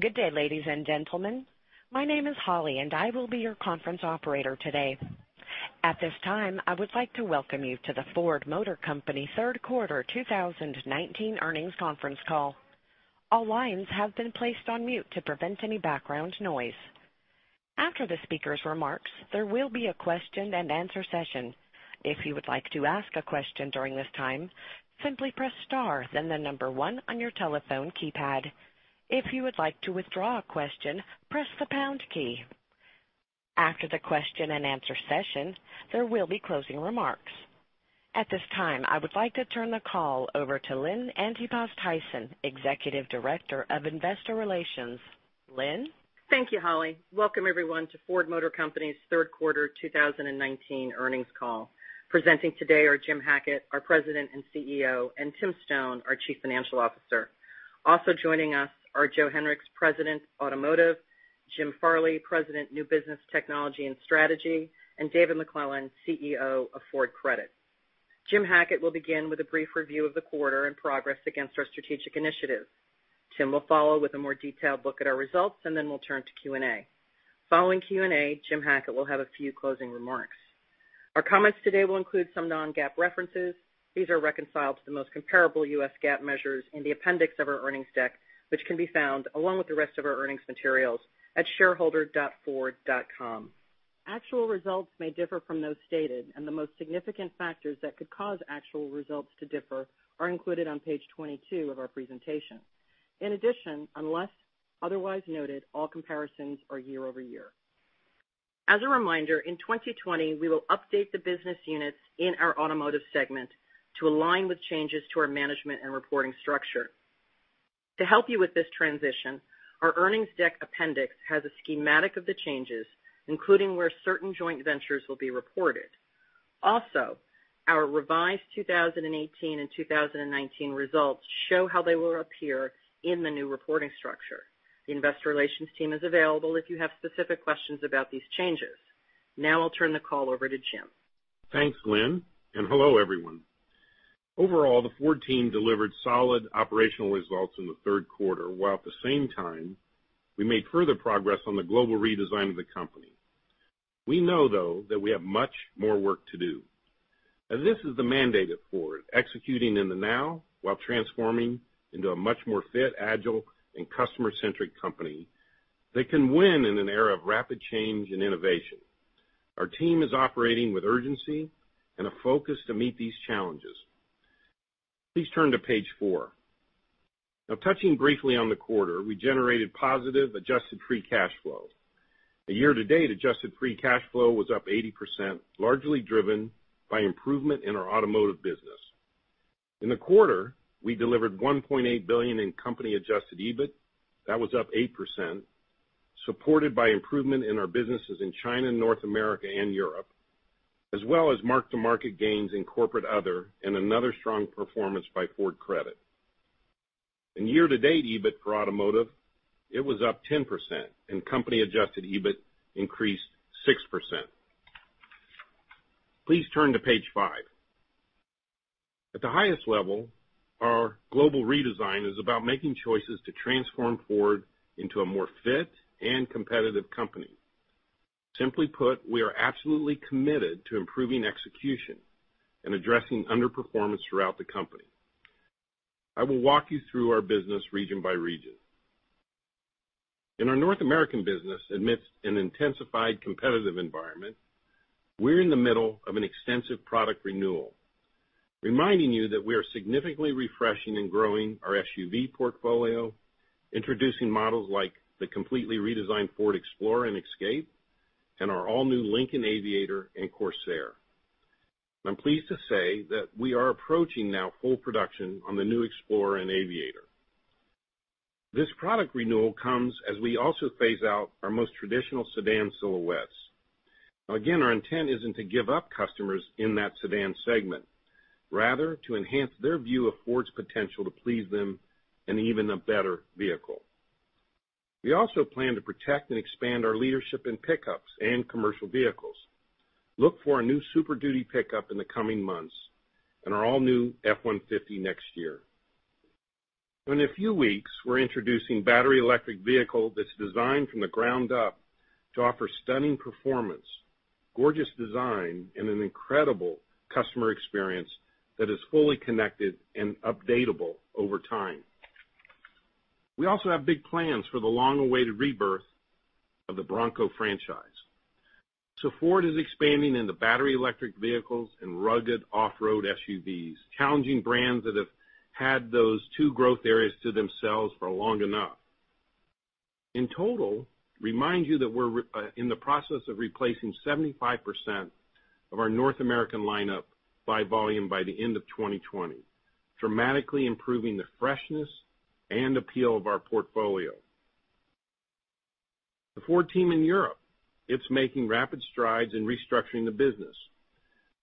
Good day, ladies and gentlemen. My name is Holly, and I will be your conference operator today. At this time, I would like to welcome you to the Ford Motor Company third quarter 2019 earnings conference call. All lines have been placed on mute to prevent any background noise. After the speaker's remarks, there will be a question and answer session. If you would like to ask a question during this time, simply press star then the number one on your telephone keypad. If you would like to withdraw a question, press the pound key. After the question and answer session, there will be closing remarks. At this time, I would like to turn the call over to Lynn Antipas Tyson, Executive Director of Investor Relations. Lynn? Thank you, Holly. Welcome, everyone, to Ford Motor Company's third quarter 2019 earnings call. Presenting today are Jim Hackett, our President and CEO, and Tim Stone, our Chief Financial Officer. Also joining us are Joe Hinrichs, President, Automotive, Jim Farley, President, New Business, Technology and Strategy, and David McClelland, CEO of Ford Credit. Jim Hackett will begin with a brief review of the quarter and progress against our strategic initiatives. Tim will follow with a more detailed look at our results, then we'll turn to Q&A. Following Q&A, Jim Hackett will have a few closing remarks. Our comments today will include some non-GAAP references. These are reconciled to the most comparable US GAAP measures in the appendix of our earnings deck, which can be found along with the rest of our earnings materials at shareholder.ford.com. Actual results may differ from those stated. The most significant factors that could cause actual results to differ are included on page 22 of our presentation. In addition, unless otherwise noted, all comparisons are year-over-year. As a reminder, in 2020, we will update the business units in our automotive segment to align with changes to our management and reporting structure. To help you with this transition, our earnings deck appendix has a schematic of the changes, including where certain joint ventures will be reported. Our revised 2018 and 2019 results show how they will appear in the new reporting structure. The investor relations team is available if you have specific questions about these changes. I'll turn the call over to Jim. Thanks, Lynn, and hello, everyone. Overall, the Ford team delivered solid operational results in the third quarter, while at the same time, we made further progress on the global redesign of the company. We know, though, that we have much more work to do, and this is the mandate at Ford: executing in the now while transforming into a much more fit, agile and customer-centric company that can win in an era of rapid change and innovation. Our team is operating with urgency and a focus to meet these challenges. Please turn to page four. Now, touching briefly on the quarter, we generated positive adjusted free cash flow. The year-to-date adjusted free cash flow was up 80%, largely driven by improvement in our automotive business. In the quarter, we delivered $1.8 billion in company adjusted EBIT. That was up 8%, supported by improvement in our businesses in China, North America and Europe, as well as mark-to-market gains in corporate other and another strong performance by Ford Credit. Company adjusted EBIT increased 6%. Please turn to page five. At the highest level, our global redesign is about making choices to transform Ford into a more fit and competitive company. Simply put, we are absolutely committed to improving execution and addressing underperformance throughout the company. I will walk you through our business region by region. In our North American business, amidst an intensified competitive environment, we're in the middle of an extensive product renewal. Reminding you that we are significantly refreshing and growing our SUV portfolio, introducing models like the completely redesigned Ford Explorer and Escape and our all-new Lincoln Aviator and Corsair. I'm pleased to say that we are approaching now full production on the new Explorer and Aviator. This product renewal comes as we also phase out our most traditional sedan silhouettes. Again, our intent isn't to give up customers in that sedan segment, rather to enhance their view of Ford's potential to please them in an even a better vehicle. We also plan to protect and expand our leadership in pickups and commercial vehicles. Look for a new Super Duty pickup in the coming months and our all-new F-150 next year. In a few weeks, we're introducing battery electric vehicle that's designed from the ground up to offer stunning performance, gorgeous design, and an incredible customer experience that is fully connected and updatable over time. We also have big plans for the long-awaited rebirth of the Bronco franchise. Ford is expanding in the battery electric vehicles and rugged off-road SUVs, challenging brands that have had those two growth areas to themselves for long enough. In total, remind you that we're in the process of replacing 75% of our North American lineup by volume by the end of 2020, dramatically improving the freshness and appeal of our portfolio. The Ford team in Europe, it's making rapid strides in restructuring the business.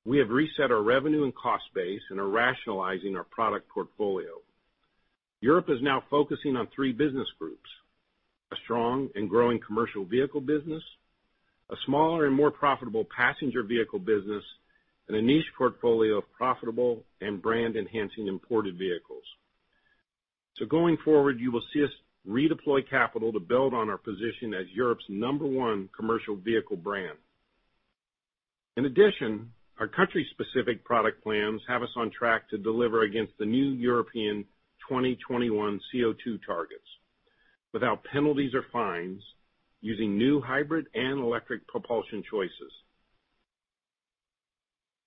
We have reset our revenue and cost base and are rationalizing our product portfolio. Europe is now focusing on three business-A strong and growing commercial vehicle business, a smaller and more profitable passenger vehicle business, and a niche portfolio of profitable and brand-enhancing imported vehicles. Going forward, you will see us redeploy capital to build on our position as Europe's number one commercial vehicle brand. In addition, our country-specific product plans have us on track to deliver against the new European 2021 CO2 targets without penalties or fines using new hybrid and electric propulsion choices.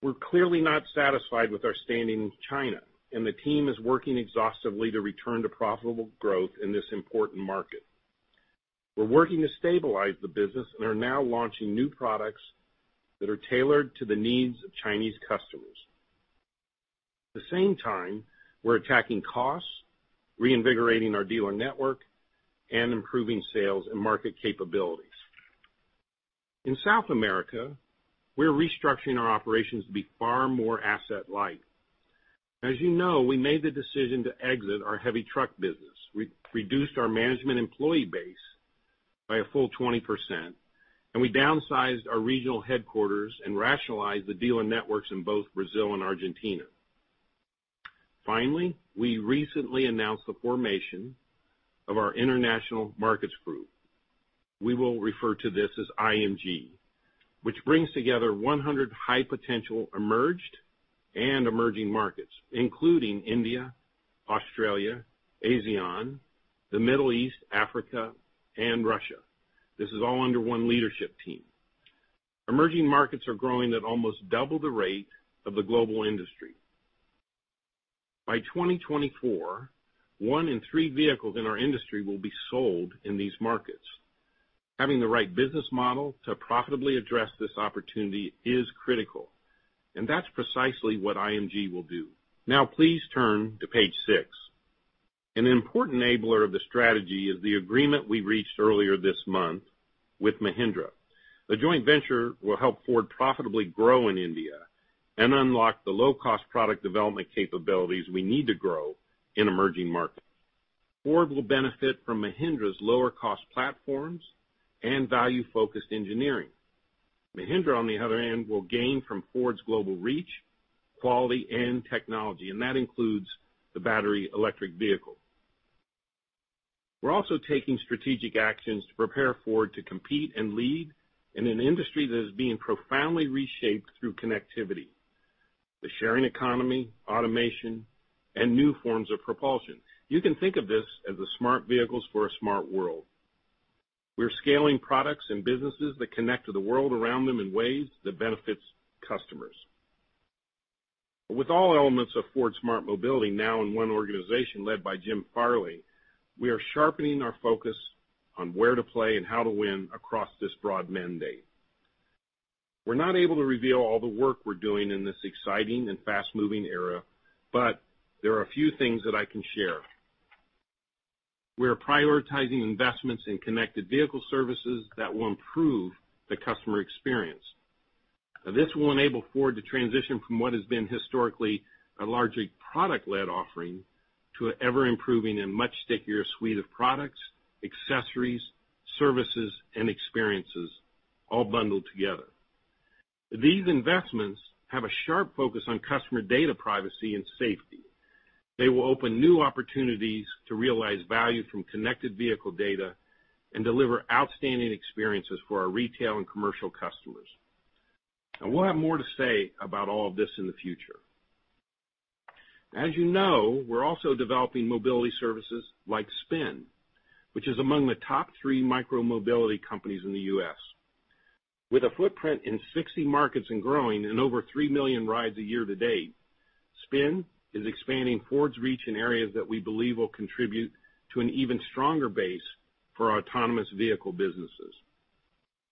We're clearly not satisfied with our standing in China, and the team is working exhaustively to return to profitable growth in this important market. We're working to stabilize the business and are now launching new products that are tailored to the needs of Chinese customers. At the same time, we're attacking costs, reinvigorating our dealer network, and improving sales and market capabilities. In South America, we're restructuring our operations to be far more asset light. As you know, we made the decision to exit our heavy truck business. We reduced our management employee base by a full 20%, and we downsized our regional headquarters and rationalized the dealer networks in both Brazil and Argentina. Finally, we recently announced the formation of our International Markets Group. We will refer to this as IMG, which brings together 100 high-potential emerged and emerging markets, including India, Australia, ASEAN, the Middle East, Africa, and Russia. This is all under one leadership team. Emerging markets are growing at almost double the rate of the global industry. By 2024, one in three vehicles in our industry will be sold in these markets. Having the right business model to profitably address this opportunity is critical, and that's precisely what IMG will do. Now, please turn to page six. An important enabler of the strategy is the agreement we reached earlier this month with Mahindra. The joint venture will help Ford profitably grow in India and unlock the low-cost product development capabilities we need to grow in emerging markets. Ford will benefit from Mahindra's lower-cost platforms and value-focused engineering. Mahindra, on the other hand, will gain from Ford's global reach, quality, and technology, and that includes the battery electric vehicle. We're also taking strategic actions to prepare Ford to compete and lead in an industry that is being profoundly reshaped through connectivity, the sharing economy, automation, and new forms of propulsion. You can think of this as the smart vehicles for a smart world. We're scaling products and businesses that connect to the world around them in ways that benefits customers. With all elements of Ford Smart Mobility now in one organization led by Jim Farley, we are sharpening our focus on where to play and how to win across this broad mandate. We're not able to reveal all the work we're doing in this exciting and fast-moving era, but there are a few things that I can share. We are prioritizing investments in connected vehicle services that will improve the customer experience. This will enable Ford to transition from what has been historically a largely product-led offering to an ever-improving and much stickier suite of products, accessories, services, and experiences all bundled together. These investments have a sharp focus on customer data privacy and safety. They will open new opportunities to realize value from connected vehicle data and deliver outstanding experiences for our retail and commercial customers. We'll have more to say about all of this in the future. As you know, we're also developing mobility services like Spin, which is among the top three micro-mobility companies in the U.S. With a footprint in 60 markets and growing and over 3 million rides a year to date, Spin is expanding Ford's reach in areas that we believe will contribute to an even stronger base for our autonomous vehicle businesses.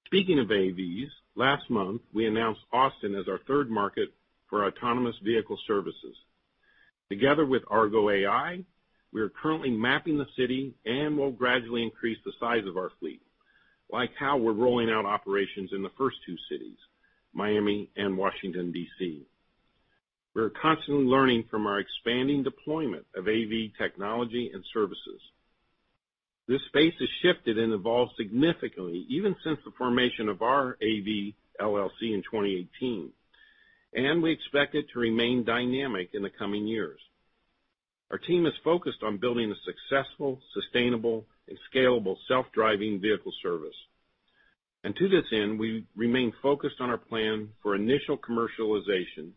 Speaking of AVs, last month, we announced Austin as our third market for our autonomous vehicle services. Together with Argo AI, we are currently mapping the city and will gradually increase the size of our fleet, like how we're rolling out operations in the first two cities, Miami and Washington, D.C. We're constantly learning from our expanding deployment of AV technology and services. This space has shifted and evolved significantly, even since the formation of our AV LLC in 2018, and we expect it to remain dynamic in the coming years. Our team is focused on building a successful, sustainable, and scalable self-driving vehicle service. To this end, we remain focused on our plan for initial commercialization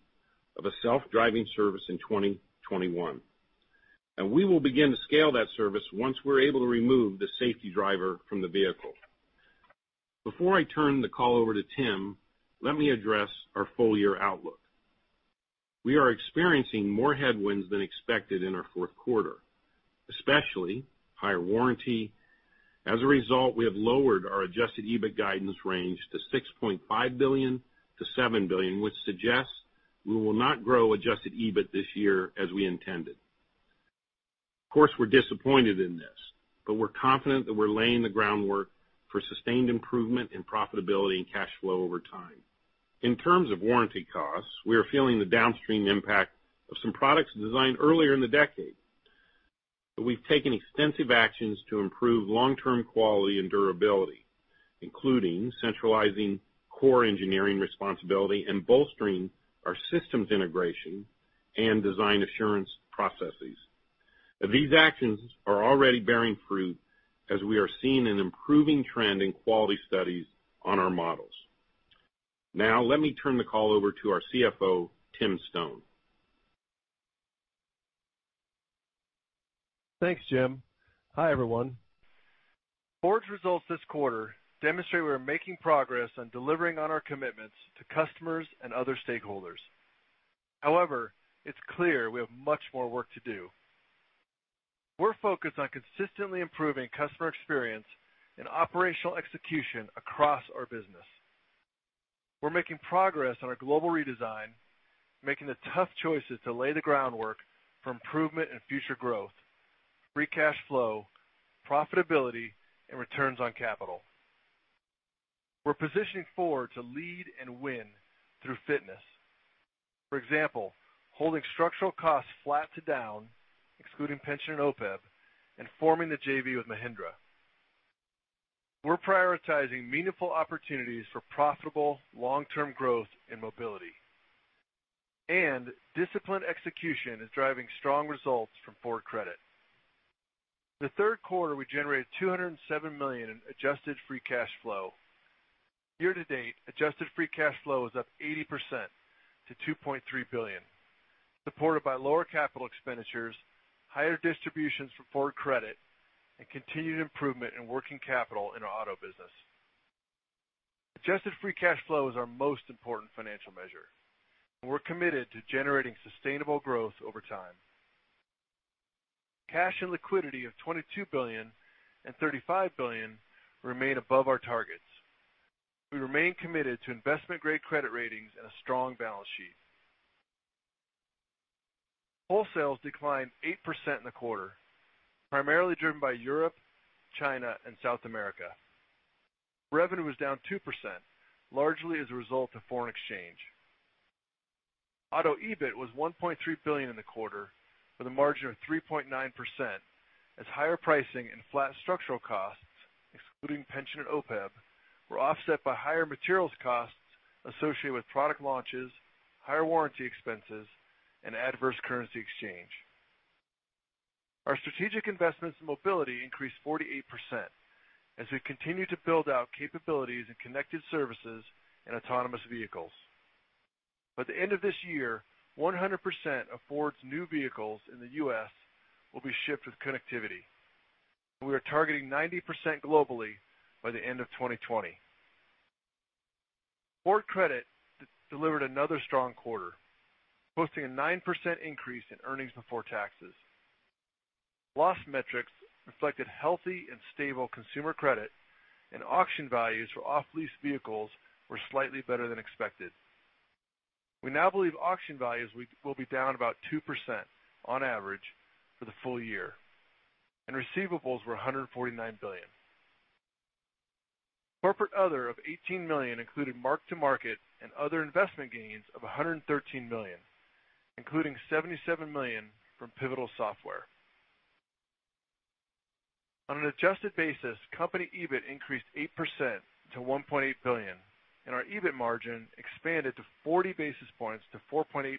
of a self-driving service in 2021. We will begin to scale that service once we're able to remove the safety driver from the vehicle. Before I turn the call over to Tim, let me address our full-year outlook. We are experiencing more headwinds than expected in our fourth quarter, especially higher warranty. As a result, we have lowered our adjusted EBIT guidance range to $6.5 billion-$7 billion, which suggests we will not grow adjusted EBIT this year as we intended. Of course, we're disappointed in this, but we're confident that we're laying the groundwork for sustained improvement in profitability and cash flow over time. In terms of warranty costs, we are feeling the downstream impact of some products designed earlier in the decade. We've taken extensive actions to improve long-term quality and durability, including centralizing core engineering responsibility and bolstering our systems integration and design assurance processes. These actions are already bearing fruit as we are seeing an improving trend in quality studies on our models. Let me turn the call over to our CFO, Tim Stone. Thanks, Jim. Hi, everyone. Ford's results this quarter demonstrate we are making progress on delivering on our commitments to customers and other stakeholders. It's clear we have much more work to do. We're focused on consistently improving customer experience and operational execution across our business. We're making progress on our global redesign, making the tough choices to lay the groundwork for improvement and future growth, free cash flow, profitability, and returns on capital. We're positioning Ford to lead and win through fitness. For example, holding structural costs flat to down, excluding pension and OPEB, and forming the JV with Mahindra. We're prioritizing meaningful opportunities for profitable long-term growth and mobility. Disciplined execution is driving strong results from Ford Credit. The third quarter, we generated $207 million in adjusted free cash flow. Year to date, adjusted free cash flow is up 80% to $2.3 billion, supported by lower capital expenditures, higher distributions from Ford Credit, and continued improvement in working capital in our auto business. Adjusted free cash flow is our most important financial measure, and we're committed to generating sustainable growth over time. Cash and liquidity of $22 billion and $35 billion remain above our targets. We remain committed to investment-grade credit ratings and a strong balance sheet. Wholesales declined 8% in the quarter, primarily driven by Europe, China, and South America. Revenue was down 2%, largely as a result of foreign exchange. Auto EBIT was $1.3 billion in the quarter with a margin of 3.9% as higher pricing and flat structural costs, excluding pension and OPEB, were offset by higher materials costs associated with product launches, higher warranty expenses, and adverse currency exchange. Our strategic investments in mobility increased 48% as we continue to build out capabilities in connected services and autonomous vehicles. By the end of this year, 100% of Ford's new vehicles in the U.S. will be shipped with connectivity. We are targeting 90% globally by the end of 2020. Ford Credit delivered another strong quarter, posting a 9% increase in earnings before taxes. Loss metrics reflected healthy and stable consumer credit, and auction values for off-lease vehicles were slightly better than expected. We now believe auction values will be down about 2% on average for the full year, and receivables were $149 billion. Corporate other of $18 million included mark-to-market and other investment gains of $113 million, including $77 million from Pivotal Software. On an adjusted basis, company EBIT increased 8% to $1.8 billion, and our EBIT margin expanded 40 basis points to 4.8%,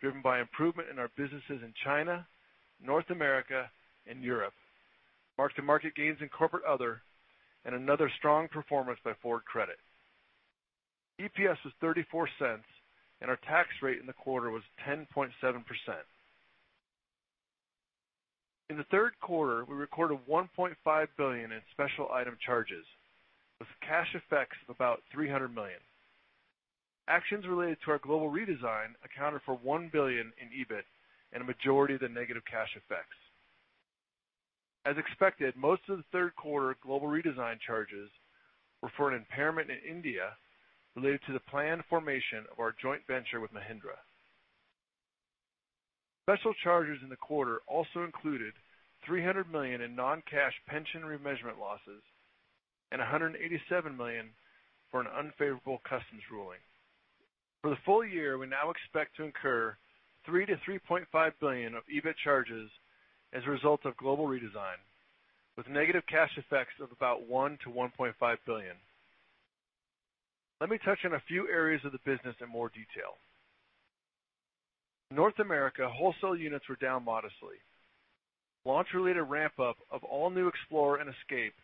driven by improvement in our businesses in China, North America, and Europe, mark-to-market gains in corporate other, and another strong performance by Ford Credit. EPS was $0.34, and our tax rate in the quarter was 10.7%. In the third quarter, we recorded $1.5 billion in special item charges with cash effects of about $300 million. Actions related to our global redesign accounted for $1 billion in EBIT and a majority of the negative cash effects. As expected, most of the third quarter global redesign charges were for an impairment in India related to the planned formation of our joint venture with Mahindra. Special charges in the quarter also included $300 million in non-cash pension remeasurement losses and $187 million for an unfavorable customs ruling. For the full year, we now expect to incur $3 billion-$3.5 billion of EBIT charges as a result of global redesign, with negative cash effects of about $1 billion-$1.5 billion. Let me touch on a few areas of the business in more detail. In North America, wholesale units were down modestly. Launch-related ramp-up of all-new Explorer and Escape,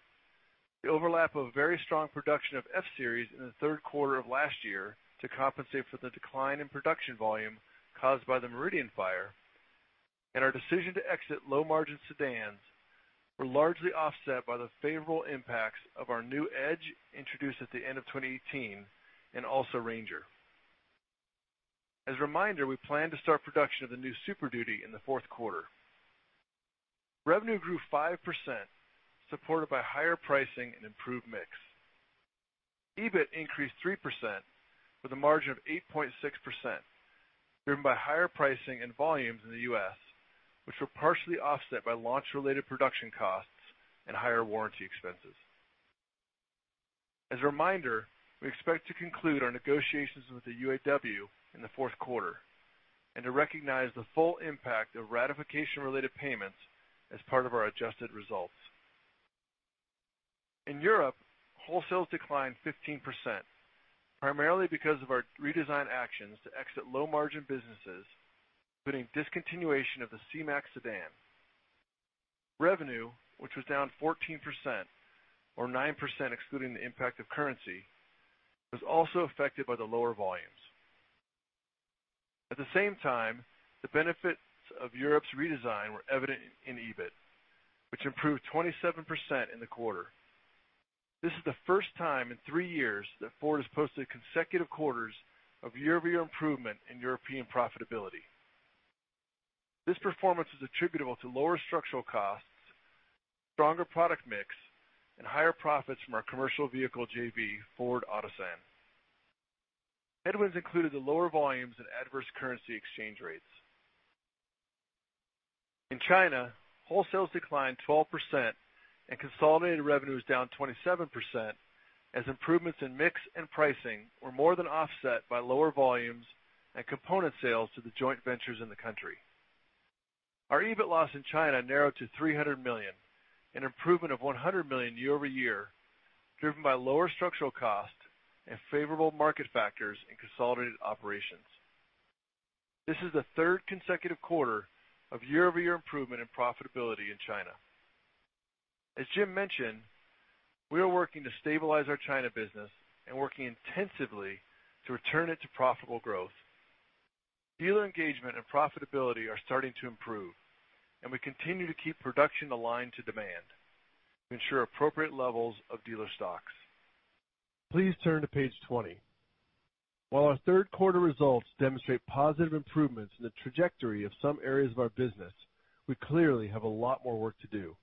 the overlap of very strong production of F-Series in the third quarter of last year to compensate for the decline in production volume caused by the Meridian fire, and our decision to exit low-margin sedans were largely offset by the favorable impacts of our new Edge introduced at the end of 2018 and also Ranger. As a reminder, we plan to start production of the new Super Duty in the fourth quarter. Revenue grew 5%, supported by higher pricing and improved mix. EBIT increased 3% with a margin of 8.6%, driven by higher pricing and volumes in the U.S., which were partially offset by launch-related production costs and higher warranty expenses. As a reminder, we expect to conclude our negotiations with the UAW in the fourth quarter and to recognize the full impact of ratification-related payments as part of our adjusted results. In Europe, wholesales declined 15%, primarily because of our redesign actions to exit low-margin businesses, including discontinuation of the C-Max sedan. Revenue, which was down 14%, or 9% excluding the impact of currency, was also affected by the lower volumes. At the same time, the benefits of Europe's redesign were evident in EBIT, which improved 27% in the quarter. This is the first time in three years that Ford has posted consecutive quarters of year-over-year improvement in European profitability. This performance is attributable to lower structural costs, stronger product mix, and higher profits from our commercial vehicle JV, Ford Otosan. Headwinds included the lower volumes and adverse currency exchange rates. In China, wholesales declined 12% and consolidated revenues down 27%, as improvements in mix and pricing were more than offset by lower volumes and component sales to the joint ventures in the country. Our EBIT loss in China narrowed to $300 million, an improvement of $100 million year-over-year, driven by lower structural cost and favorable market factors in consolidated operations. This is the third consecutive quarter of year-over-year improvement in profitability in China. As Jim mentioned, we are working to stabilize our China business and working intensively to return it to profitable growth. We continue to keep production aligned to demand to ensure appropriate levels of dealer stocks. Please turn to page 20. While our third quarter results demonstrate positive improvements in the trajectory of some areas of our business, we clearly have a lot more work to do.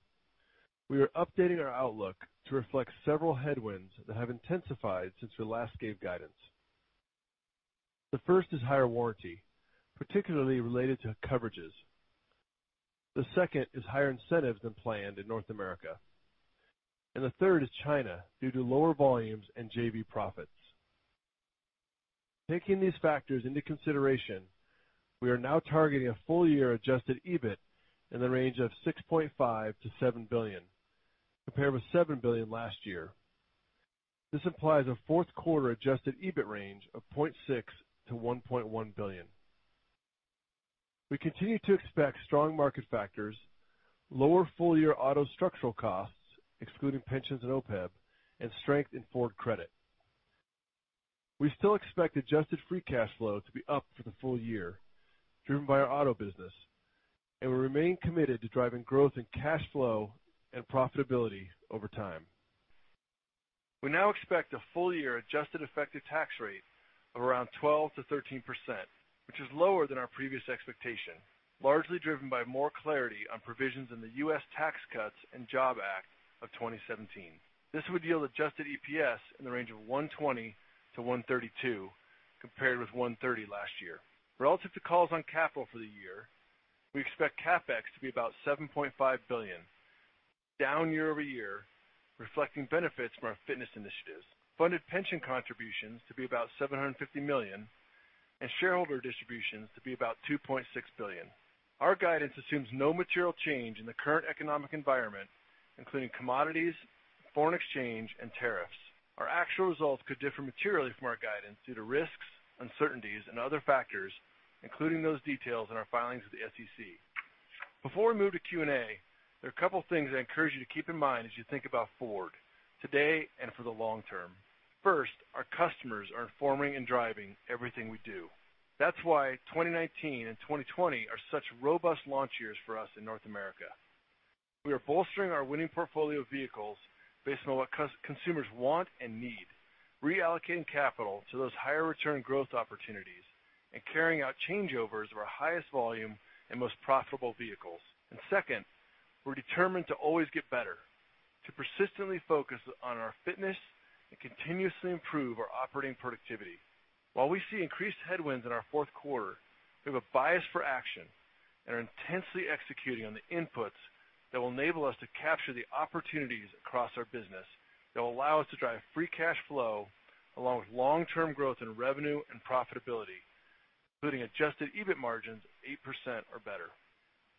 We are updating our outlook to reflect several headwinds that have intensified since we last gave guidance. The first is higher warranty, particularly related to coverages. The second is higher incentives than planned in North America. The third is China due to lower volumes and JV profits. Taking these factors into consideration, we are now targeting a full-year adjusted EBIT in the range of $6.5 billion-$7 billion, compared with $7 billion last year. This implies a fourth quarter adjusted EBIT range of $0.6 billion-$1.1 billion. We continue to expect strong market factors, lower full-year auto structural costs, excluding pensions and OPEB, and strength in Ford Credit. We still expect adjusted free cash flow to be up for the full year, driven by our auto business, and we remain committed to driving growth in cash flow and profitability over time. We now expect a full-year adjusted effective tax rate of around 12%-13%, which is lower than our previous expectation, largely driven by more clarity on provisions in the U.S. Tax Cuts and Jobs Act of 2017. This would yield adjusted EPS in the range of $1.20-$1.32, compared with $1.30 last year. Relative to calls on capital for the year, we expect CapEx to be about $7.5 billion, down year-over-year, reflecting benefits from our fitness initiatives. Funded pension contributions to be about $750 million and shareholder distributions to be about $2.6 billion. Our guidance assumes no material change in the current economic environment, including commodities, foreign exchange, and tariffs. Our actual results could differ materially from our guidance due to risks, uncertainties and other factors, including those details in our filings with the SEC. Before we move to Q&A, there are a couple things I encourage you to keep in mind as you think about Ford today and for the long term. First, our customers are informing and driving everything we do. That's why 2019 and 2020 are such robust launch years for us in North America. We are bolstering our winning portfolio of vehicles based on what consumers want and need, reallocating capital to those higher return growth opportunities and carrying out changeovers of our highest volume and most profitable vehicles. Second, we're determined to always get better, to persistently focus on our fitness and continuously improve our operating productivity. While we see increased headwinds in our fourth quarter, we have a bias for action and are intensely executing on the inputs that will enable us to capture the opportunities across our business that will allow us to drive free cash flow along with long-term growth in revenue and profitability, including adjusted EBIT margins of 8% or better.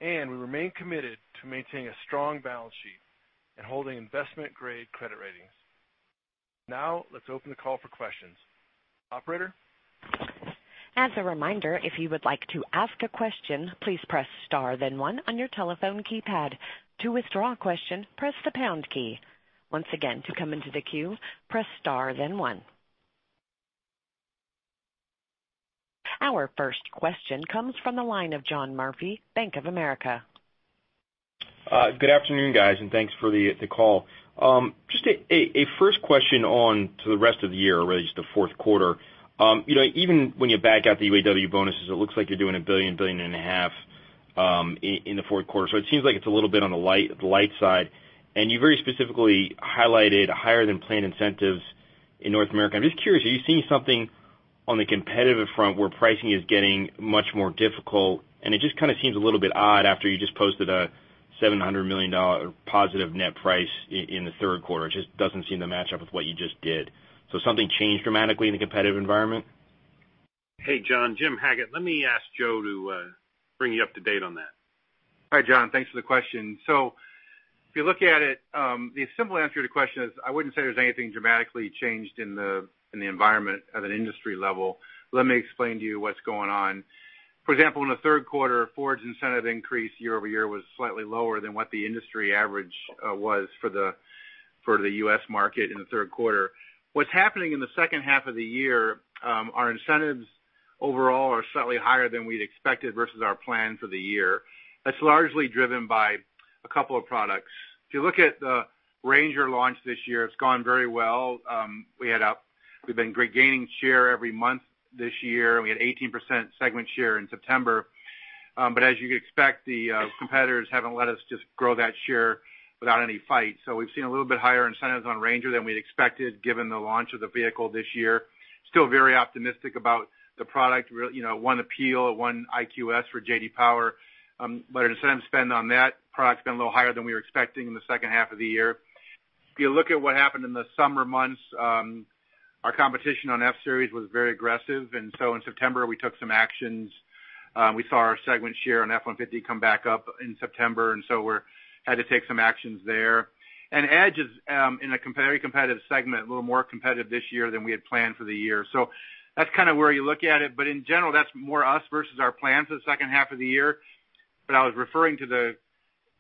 We remain committed to maintaining a strong balance sheet and holding investment-grade credit ratings. Now, let's open the call for questions. Operator? As a reminder, if you would like to ask a question, please press star then one on your telephone keypad. To withdraw a question, press the pound key. Once again, to come into the queue, press star then one. Our first question comes from the line of John Murphy, Bank of America. Good afternoon, guys, thanks for the call. Just a first question on to the rest of the year, or really just the fourth quarter. Even when you back out the UAW bonuses, it looks like you're doing a billion and a half dollars in the fourth quarter. It seems like it's a little bit on the light side, and you very specifically highlighted higher-than-planned incentives In North America. I'm just curious, are you seeing something on the competitive front where pricing is getting much more difficult? It just kind of seems a little bit odd after you just posted a $700 million positive net price in the third quarter. It just doesn't seem to match up with what you just did. Something changed dramatically in the competitive environment? Hey, John. Jim Hackett. Let me ask Joe to bring you up to date on that. Hi, John. Thanks for the question. If you look at it, the simple answer to the question is, I wouldn't say there's anything dramatically changed in the environment at an industry level. Let me explain to you what's going on. For example, in the third quarter, Ford's incentive increase year-over-year was slightly lower than what the industry average was for the U.S. market in the third quarter. What's happening in the second half of the year, our incentives overall are slightly higher than we'd expected versus our plan for the year. That's largely driven by a couple of products. If you look at the Ranger launch this year, it's gone very well. We've been gaining share every month this year, and we had 18% segment share in September. As you'd expect, the competitors haven't let us just grow that share without any fight. We've seen a little bit higher incentives on Ranger than we'd expected given the launch of the vehicle this year. Still very optimistic about the product. One appeal, one IQS for J.D. Power. Our incentive spend on that product's been a little higher than we were expecting in the second half of the year. If you look at what happened in the summer months, our competition on F-Series was very aggressive. In September, we took some actions. We saw our segment share on F-150 come back up in September, and so we had to take some actions there. Edge is in a very competitive segment, a little more competitive this year than we had planned for the year. That's kind of where you look at it. In general, that's more us versus our plan for the second half of the year. I was referring to the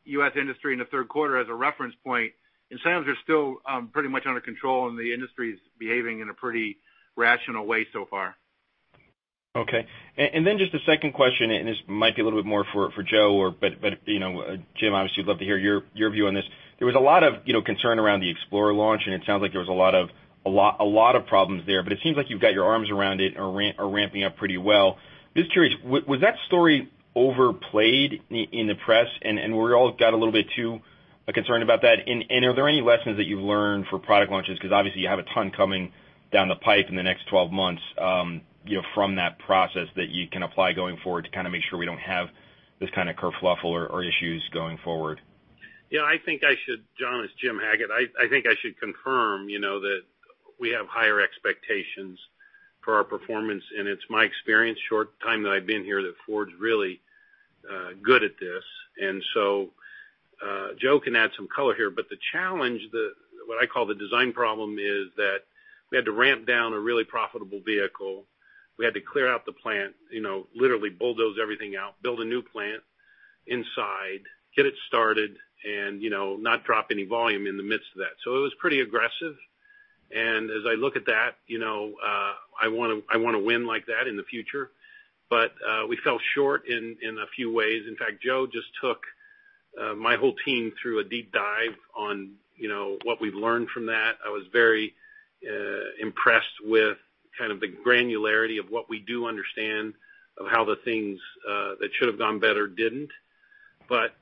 U.S. industry in the third quarter as a reference point. Incentives are still pretty much under control, and the industry's behaving in a pretty rational way so far. Okay. Just a second question, this might be a little bit more for Joe, Jim, obviously would love to hear your view on this. There was a lot of concern around the Explorer launch, it sounds like there was a lot of problems there. It seems like you've got your arms around it and are ramping up pretty well. Just curious, was that story overplayed in the press, we all got a little bit too concerned about that? Are there any lessons that you've learned for product launches? Obviously you have a ton coming down the pipe in the next 12 months from that process that you can apply going forward to kind of make sure we don't have this kind of kerfuffle or issues going forward. Yeah, John, it's Jim Hackett. I think I should confirm that we have higher expectations for our performance, and it's my experience, short time that I've been here, that Ford's really good at this. Joe can add some color here, but the challenge, what I call the design problem, is that we had to ramp down a really profitable vehicle. We had to clear out the plant, literally bulldoze everything out, build a new plant inside, get it started, and not drop any volume in the midst of that. It was pretty aggressive. As I look at that, I want to win like that in the future. We fell short in a few ways. In fact, Joe just took my whole team through a deep dive on what we've learned from that. I was very impressed with kind of the granularity of what we do understand of how the things that should've gone better didn't.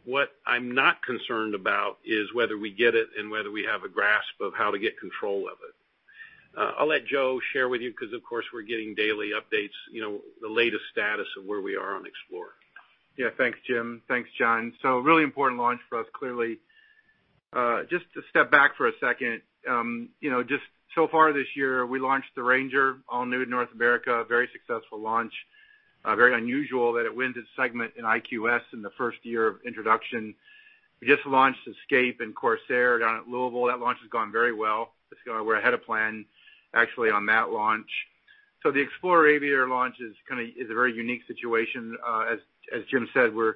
What I'm not concerned about is whether we get it and whether we have a grasp of how to get control of it. I'll let Joe share with you because, of course, we're getting daily updates, the latest status of where we are on Explorer. Yeah. Thanks, Jim. Thanks, John. A really important launch for us, clearly. Just to step back for a second. Just so far this year, we launched the Ranger, all new to North America, very successful launch. Very unusual that it wins its segment in IQS in the first year of introduction. We just launched Escape and Corsair down at Louisville. That launch has gone very well. We're ahead of plan, actually, on that launch. The Explorer Aviator launch is a very unique situation. As Jim said, we're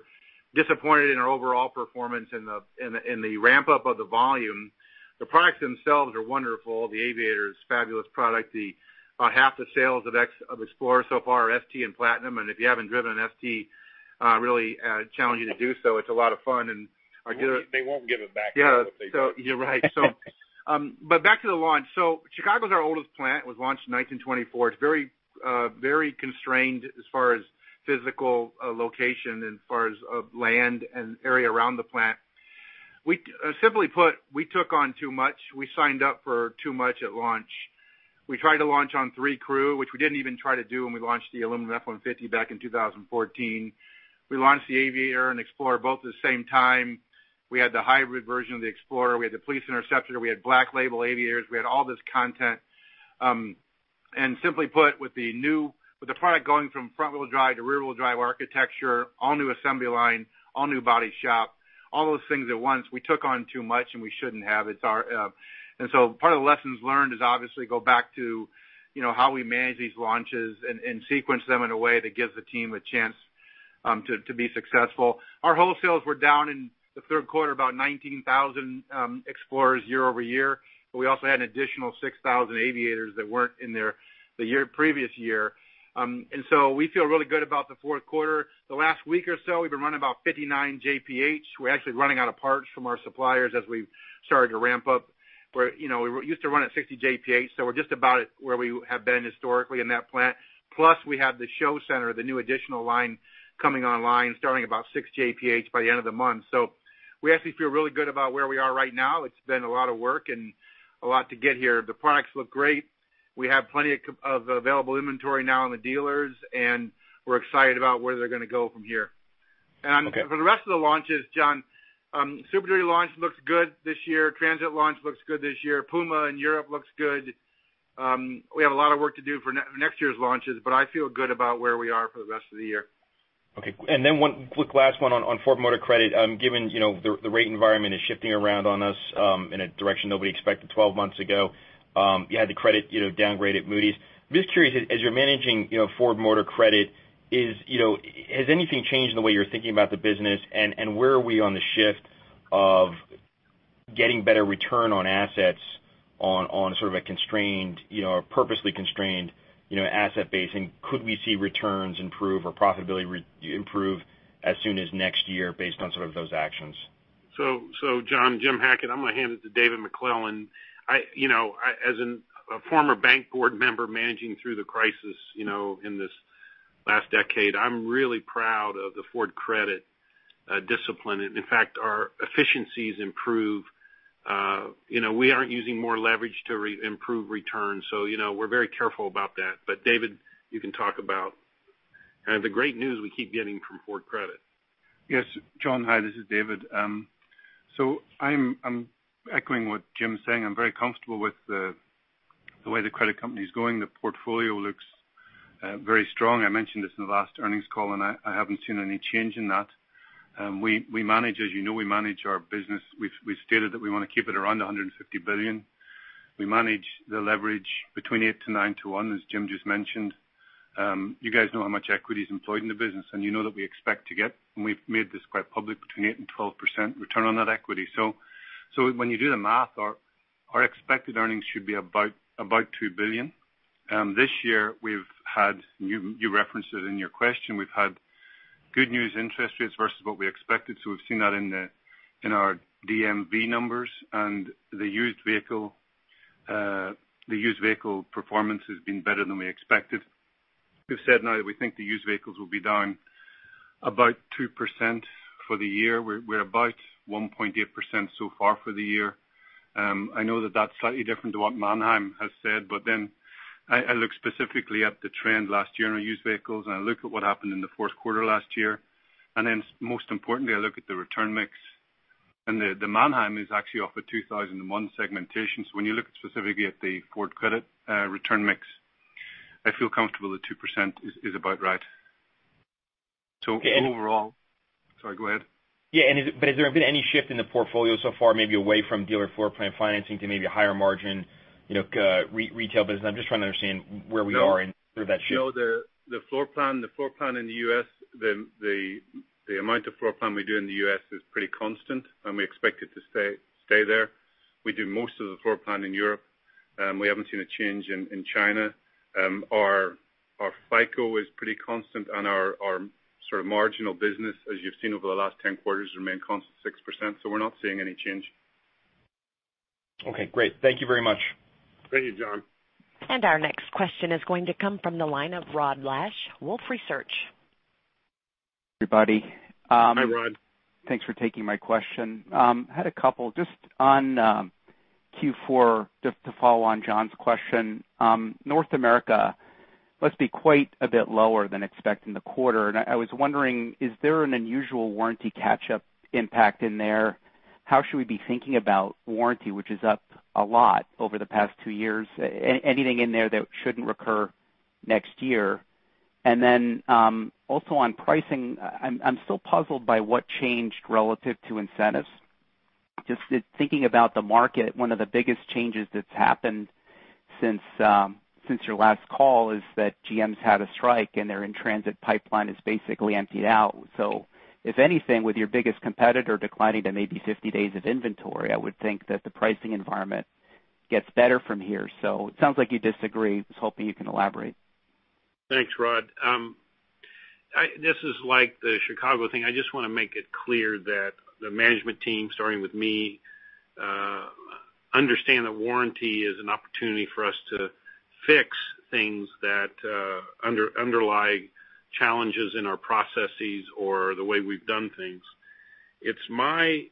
disappointed in our overall performance in the ramp-up of the volume. The products themselves are wonderful. The Aviator is a fabulous product. About half the sales of Explorer so far are ST and Platinum, and if you haven't driven an ST, really challenge you to do so. They won't give it back. You're right. Back to the launch. Chicago's our oldest plant. It was launched in 1924. It's very constrained as far as physical location, as far as land and area around the plant. Simply put, we took on too much. We signed up for too much at launch. We tried to launch on three crew, which we didn't even try to do when we launched the aluminum F-150 back in 2014. We launched the Aviator and Explorer both at the same time. We had the hybrid version of the Explorer. We had the Police Interceptor. We had Black Label Aviators. We had all this content. Simply put, with the product going from front-wheel drive to rear-wheel drive architecture, all new assembly line, all new body shop, all those things at once, we took on too much, and we shouldn't have. Part of the lessons learned is obviously go back to how we manage these launches and sequence them in a way that gives the team a chance to be successful. Our whole sales were down in the third quarter, about 19,000 Explorers year-over-year. We also had an additional 6,000 Aviators that weren't in there the previous year. We feel really good about the fourth quarter. The last week or so, we've been running about 59 JPH. We're actually running out of parts from our suppliers as we've started to ramp up. We used to run at 60 JPH, so we're just about at where we have been historically in that plant. Plus, we have the show center, the new additional line coming online, starting about 6 JPH by the end of the month. We actually feel really good about where we are right now. It's been a lot of work and a lot to get here. The products look great. We have plenty of available inventory now in the dealers. We're excited about where they're going to go from here. Okay. For the rest of the launches, John, Super Duty launch looks good this year. Transit launch looks good this year. Puma in Europe looks good. We have a lot of work to do for next year's launches, but I feel good about where we are for the rest of the year. Okay. Then one quick last one on Ford Motor Credit. Given the rate environment is shifting around on us, in a direction nobody expected 12 months ago. You had the credit downgraded at Moody's. I'm just curious, as you're managing Ford Motor Credit, has anything changed in the way you're thinking about the business, and where are we on the shift of getting better return on assets on sort of a constrained, or purposely constrained, asset base? Could we see returns improve or profitability improve as soon as next year based on some of those actions? John, Jim Hackett. I'm going to hand it to David McClelland. As a former bank board member managing through the crisis in this last decade, I'm really proud of the Ford Credit discipline. In fact, our efficiencies improve. We aren't using more leverage to improve returns. We're very careful about that. David, you can talk about the great news we keep getting from Ford Credit. Yes. John, hi, this is David. I'm echoing what Jim's saying. I'm very comfortable with the way the credit company's going. The portfolio looks very strong. I mentioned this in the last earnings call, and I haven't seen any change in that. As you know, we manage our business. We've stated that we want to keep it around $150 billion. We manage the leverage between 8 to 9 to 1, as Jim just mentioned. You guys know how much equity is employed in the business, and you know that we expect to get, and we've made this quite public, between 8% and 12% return on that equity. When you do the math, our expected earnings should be about $2 billion. This year, we've had, you referenced it in your question, we've had good news interest rates versus what we expected, so we've seen that in our DMV numbers. The used vehicle performance has been better than we expected. We've said now that we think the used vehicles will be down about 2% for the year. We're about 1.8% so far for the year. I know that that's slightly different to what Manheim has said, but then I look specifically at the trend last year in our used vehicles, and I look at what happened in the fourth quarter last year. Most importantly, I look at the return mix. The Manheim is actually off of 2001 segmentation. When you look specifically at the Ford Credit return mix, I feel comfortable that 2% is about right. Overall. Sorry, go ahead. Yeah. Has there been any shift in the portfolio so far, maybe away from dealer floor plan financing to maybe a higher margin, retail business? I'm just trying to understand where we are in sort of that shift. No, the amount of floor plan we do in the U.S. is pretty constant, and we expect it to stay there. We do most of the floor plan in Europe. We haven't seen a change in China. Our FICO is pretty constant and our sort of marginal business, as you've seen over the last 10 quarters, remain constant at 6%, so we're not seeing any change. Okay, great. Thank you very much. Thank you, John. Our next question is going to come from the line of Rod Lache, Wolfe Research. Everybody. Hi, Rod. Thanks for taking my question. I had a couple. Just on Q4, just to follow on John's question. North America must be quite a bit lower than expecting the quarter. I was wondering, is there an unusual warranty catch-up impact in there? How should we be thinking about warranty, which is up a lot over the past two years? Anything in there that shouldn't recur next year? Also on pricing, I'm still puzzled by what changed relative to incentives. Just thinking about the market, one of the biggest changes that's happened since your last call is that GM's had a strike and their in-transit pipeline is basically emptied out. If anything, with your biggest competitor declining to maybe 50 days of inventory, I would think that the pricing environment gets better from here. It sounds like you disagree. I was hoping you can elaborate. Thanks, Rod. This is like the Chicago thing. I just want to make it clear that the management team, starting with me, understand that warranty is an opportunity for us to fix things that underlie challenges in our processes or the way we've done things. It's my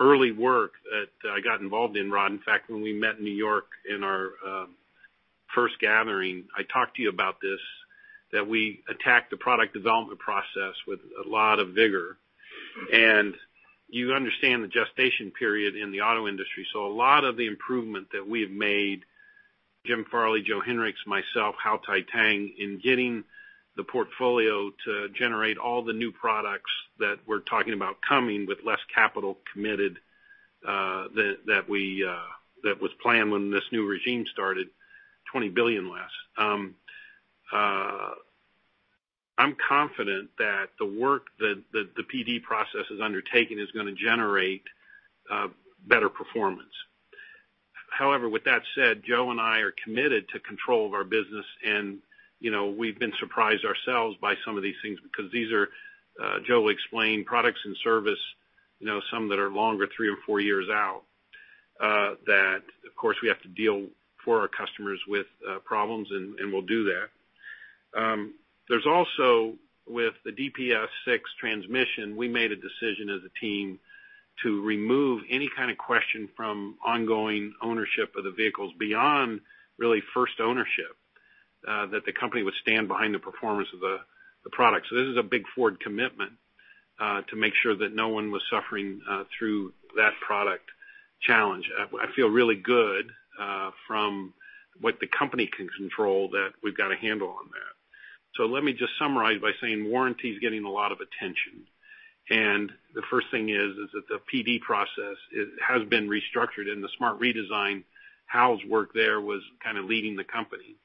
early work that I got involved in, Rod. In fact, when we met in New York in our first gathering, I talked to you about this, that we attacked the product development process with a lot of vigor. You understand the gestation period in the auto industry. So a lot of the improvement that we have made, Jim Farley, Joe Hinrichs, myself, Hau Thai-Tang, in getting the portfolio to generate all the new products that we're talking about coming with less capital committed, that was planned when this new regime started, $20 billion less. I'm confident that the work that the PD process has undertaken is going to generate better performance. However, with that said, Joe and I are committed to control of our business, and we've been surprised ourselves by some of these things because these are, Joe will explain, products and service, some that are longer, three or four years out, that, of course, we have to deal for our customers with problems, and we'll do that. There's also with the DPS6 transmission, we made a decision as a team to remove any kind of question from ongoing ownership of the vehicles beyond really first ownership, that the company would stand behind the performance of the product. This is a big Ford commitment, to make sure that no one was suffering through that product challenge. I feel really good from what the company can control that we've got a handle on that. Let me just summarize by saying warranty is getting a lot of attention. The first thing is that the PD process has been restructured and the smart redesign, Hau's work there was kind of leading the company.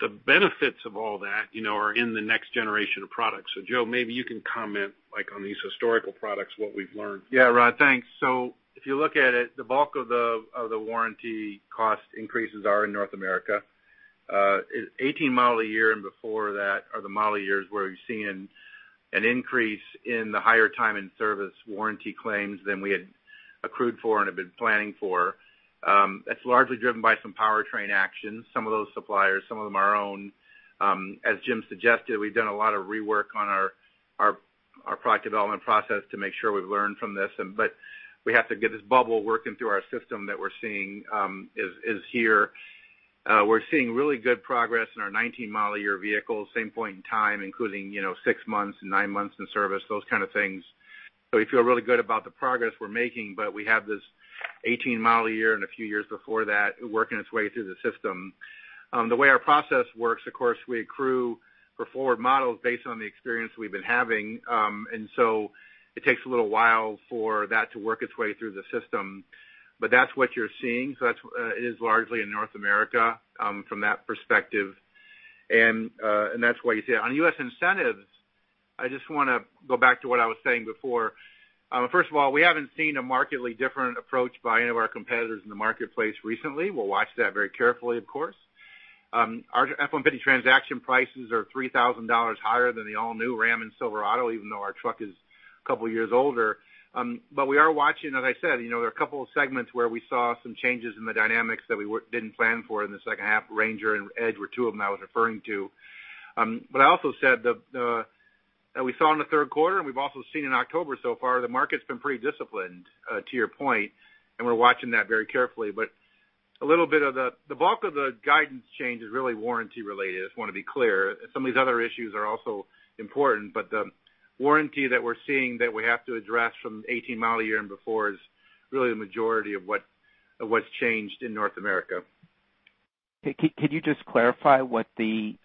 The benefits of all that are in the next generation of products. Joe, maybe you can comment on these historical products, what we've learned. Yeah, Rod, thanks. If you look at it, the bulk of the warranty cost increases are in North America. 18 model year and before that are the model years where we've seen an increase in the higher time and service warranty claims than we had accrued for and have been planning for. It's largely driven by some powertrain actions, some of those suppliers, some of them our own. As Jim suggested, we've done a lot of rework on our product development process to make sure we've learned from this. We have to get this bubble working through our system that we're seeing is here. We're seeing really good progress in our 2019 model year vehicles, same point in time, including six months and nine months in service, those kind of things. We feel really good about the progress we're making, but we have this 2018 model year and a few years before that working its way through the system. The way our process works, of course, we accrue for Ford models based on the experience we've been having. It takes a little while for that to work its way through the system. That's what you're seeing. It is largely in North America from that perspective. That's why you see it. On U.S. incentives, I just want to go back to what I was saying before. First of all, we haven't seen a markedly different approach by any of our competitors in the marketplace recently. We'll watch that very carefully, of course. Our F-150 transaction prices are $3,000 higher than the all-new Ram and Silverado, even though our truck is a couple years older. We are watching, as I said, there are a couple of segments where we saw some changes in the dynamics that we didn't plan for in the second half. Ranger and Edge were two of them that I was referring to. I also said that we saw in the third quarter, and we've also seen in October so far, the market's been pretty disciplined, to your point, and we're watching that very carefully. The bulk of the guidance change is really warranty related. I just want to be clear. Some of these other issues are also important, but the warranty that we're seeing that we have to address from 2018 model year and before is really the majority of what's changed in North America. Can you just clarify what the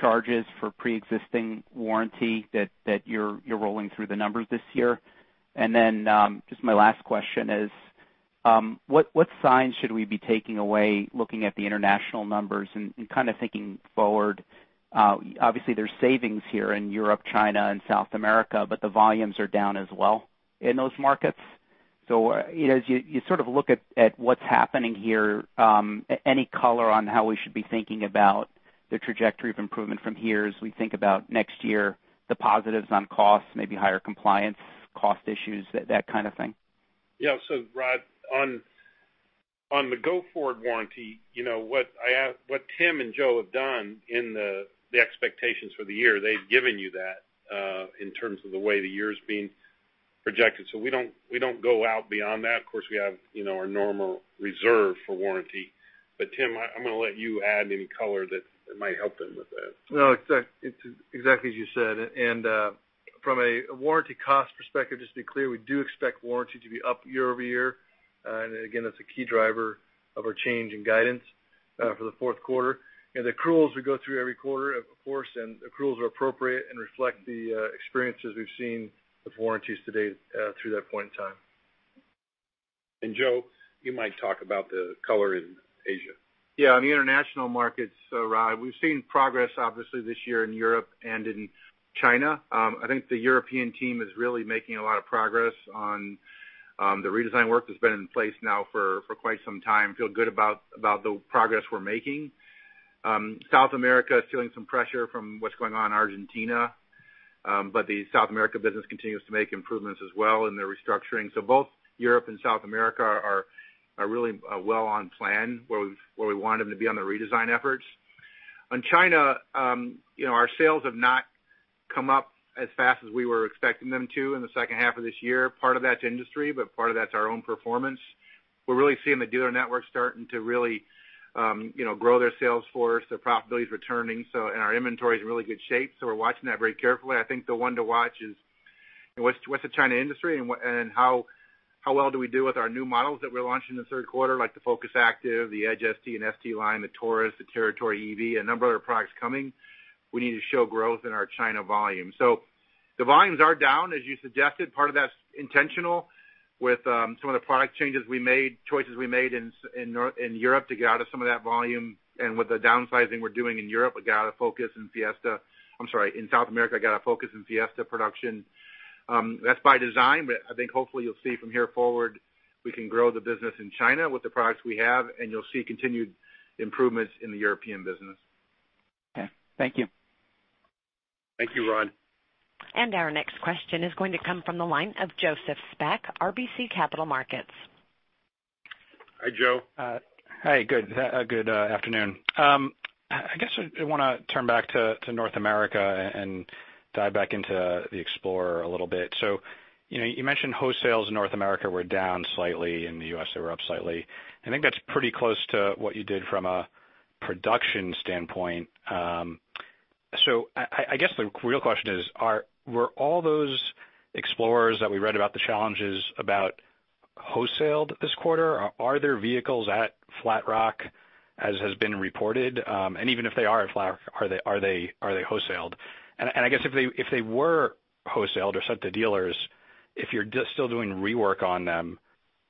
charge is for preexisting warranty that you're rolling through the numbers this year? Then just my last question is, what signs should we be taking away looking at the international numbers and kind of thinking forward? Obviously, there's savings here in Europe, China, and South America, but the volumes are down as well in those markets. As you sort of look at what's happening here, any color on how we should be thinking about the trajectory of improvement from here as we think about next year, the positives on costs, maybe higher compliance cost issues, that kind of thing? Rod, on the go-forward warranty, what Tim and Joe have done in the expectations for the year, they've given you that in terms of the way the year is being projected. We don't go out beyond that. Of course, we have our normal reserve for warranty. Tim, I'm going to let you add any color that might help him with that. No, it's exactly as you said. From a warranty cost perspective, just to be clear, we do expect warranty to be up year-over-year. Again, that's a key driver of our change in guidance for the fourth quarter. The accruals we go through every quarter, of course, and accruals are appropriate and reflect the experiences we've seen with warranties to date through that point in time. Joe, you might talk about the color in Asia. Yeah, on the international markets, Rod, we've seen progress obviously this year in Europe and in China. I think the European team is really making a lot of progress on the redesign work that's been in place now for quite some time. Feel good about the progress we're making. South America is feeling some pressure from what's going on in Argentina. The South America business continues to make improvements as well in their restructuring. Both Europe and South America are really well on plan where we want them to be on the redesign efforts. On China, our sales have not come up as fast as we were expecting them to in the second half of this year. Part of that's industry, but part of that's our own performance. We're really seeing the dealer network starting to really grow their sales force, their profitability is returning. Our inventory is in really good shape, so we're watching that very carefully. I think the one to watch is what's the China industry and how well do we do with our new models that we're launching in the third quarter, like the Focus Active, the Edge ST, and ST-Line, the Taurus, the Territory EV, a number of other products coming. We need to show growth in our China volume. The volumes are down, as you suggested. Part of that's intentional with some of the product changes we made, choices we made in Europe to get out of some of that volume. With the downsizing we're doing in Europe, we got out of Focus and Fiesta. I'm sorry, in South America, got out of Focus and Fiesta production. That's by design, but I think hopefully you'll see from here forward, we can grow the business in China with the products we have, and you'll see continued improvements in the European business. Okay. Thank you. Thank you, Rod. Our next question is going to come from the line of Joseph Spak, RBC Capital Markets. Hi, Joe. Hi, good afternoon. I guess I want to turn back to North America and dive back into the Explorer a little bit. You mentioned wholesale in North America were down slightly. In the U.S., they were up slightly. I think that's pretty close to what you did from a production standpoint. I guess the real question is, were all those Explorers that we read about the challenges about wholesaled this quarter? Are there vehicles at Flat Rock as has been reported? Even if they are at Flat Rock, are they wholesaled? I guess if they were wholesaled or sent to dealers, if you're still doing rework on them,